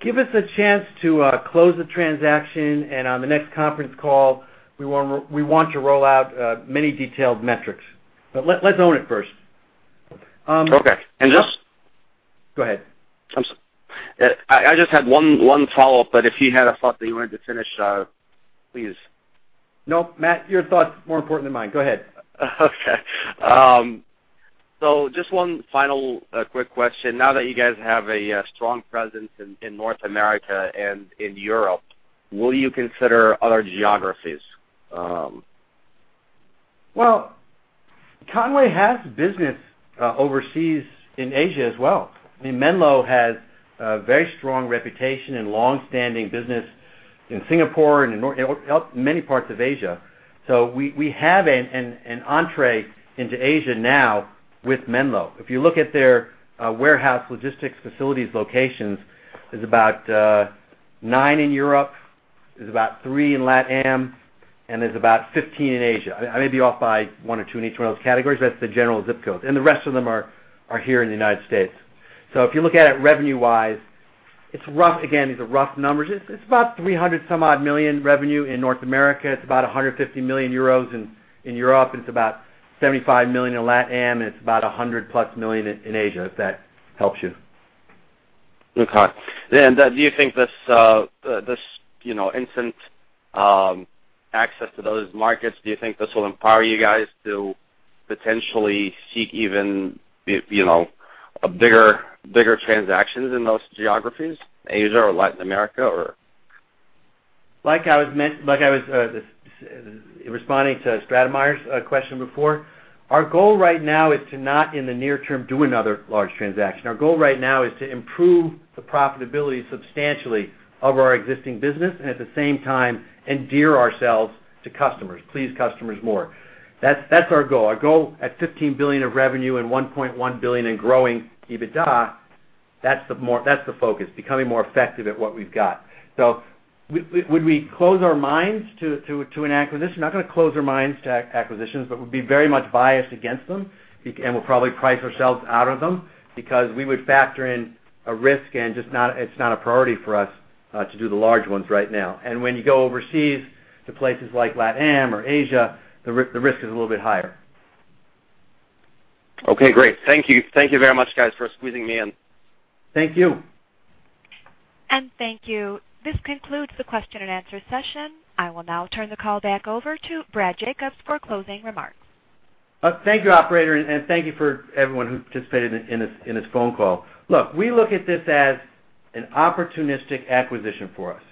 Give us a chance to close the transaction, and on the next conference call, we want to, we want to roll out many detailed metrics. But let's own it first. Okay. And just- Go ahead. I'm sorry. I just had one follow-up, but if you had a thought that you wanted to finish, please. Nope. Matt, your thoughts are more important than mine. Go ahead. Okay. So just one final quick question. Now that you guys have a strong presence in North America and in Europe, will you consider other geographies? Well, Con-way has business overseas in Asia as well. I mean, Menlo has a very strong reputation and long-standing business in Singapore and in many parts of Asia. So we have an entree into Asia now with Menlo. If you look at their warehouse logistics facilities locations, there's about nine in Europe, there's about three in LatAm, and there's about 15 in Asia. I may be off by one or two in each one of those categories, but that's the general zip code, and the rest of them are here in the United States. So if you look at it revenue-wise, it's rough. Again, these are rough numbers. It's about $300-some odd million revenue in North America. It's about 150 million euros in Europe, it's about 75 million in LatAm, and it's about 100+ million in Asia, if that helps you. Okay. Then, do you think this, you know, instant access to those markets, do you think this will empower you guys to potentially seek even, you know, a bigger transactions in those geographies, Asia or Latin America, or? Like I was—like I was responding to Strachman's question before, our goal right now is to not, in the near term, do another large transaction. Our goal right now is to improve the profitability substantially of our existing business and at the same time endear ourselves to customers, please customers more. That's our goal. Our goal at $15 billion of revenue and $1.1 billion in growing EBITDA, that's the more. That's the focus, becoming more effective at what we've got. So would we close our minds to an acquisition? Not going to close our minds to acquisitions, but we'll be very much biased against them, and we'll probably price ourselves out of them because we would factor in a risk and just not, it's not a priority for us to do the large ones right now. When you go overseas to places like LatAm or Asia, the risk is a little bit higher. Okay, great. Thank you. Thank you very much, guys, for squeezing me in. Thank you. Thank you. This concludes the question and answer session. I will now turn the call back over to Brad Jacobs for closing remarks. Thank you, operator, and thank you for everyone who participated in this phone call. Look, we look at this as an opportunistic acquisition for us.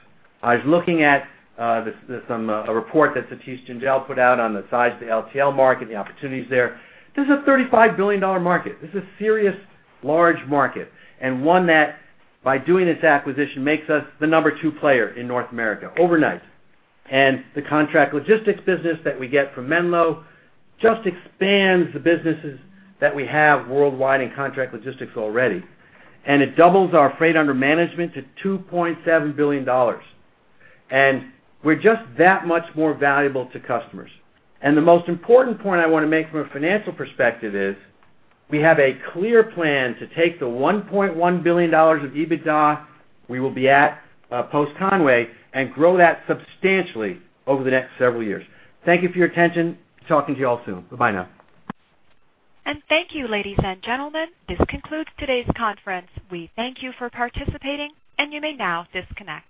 I was looking at some a report that Satish Jindel put out on the size of the LTL market, the opportunities there. This is a $35 billion market. This is a serious, large market, and one that, by doing this acquisition, makes us the number 2 player in North America overnight. And the contract logistics business that we get from Menlo just expands the businesses that we have worldwide in contract logistics already. And it doubles our freight under management to $2.7 billion. And we're just that much more valuable to customers. The most important point I want to make from a financial perspective is, we have a clear plan to take the $1.1 billion of EBITDA we will be at post-Con-way, and grow that substantially over the next several years. Thank you for your attention. Talking to you all soon. Bye now. Thank you, ladies and gentlemen. This concludes today's conference. We thank you for participating, and you may now disconnect.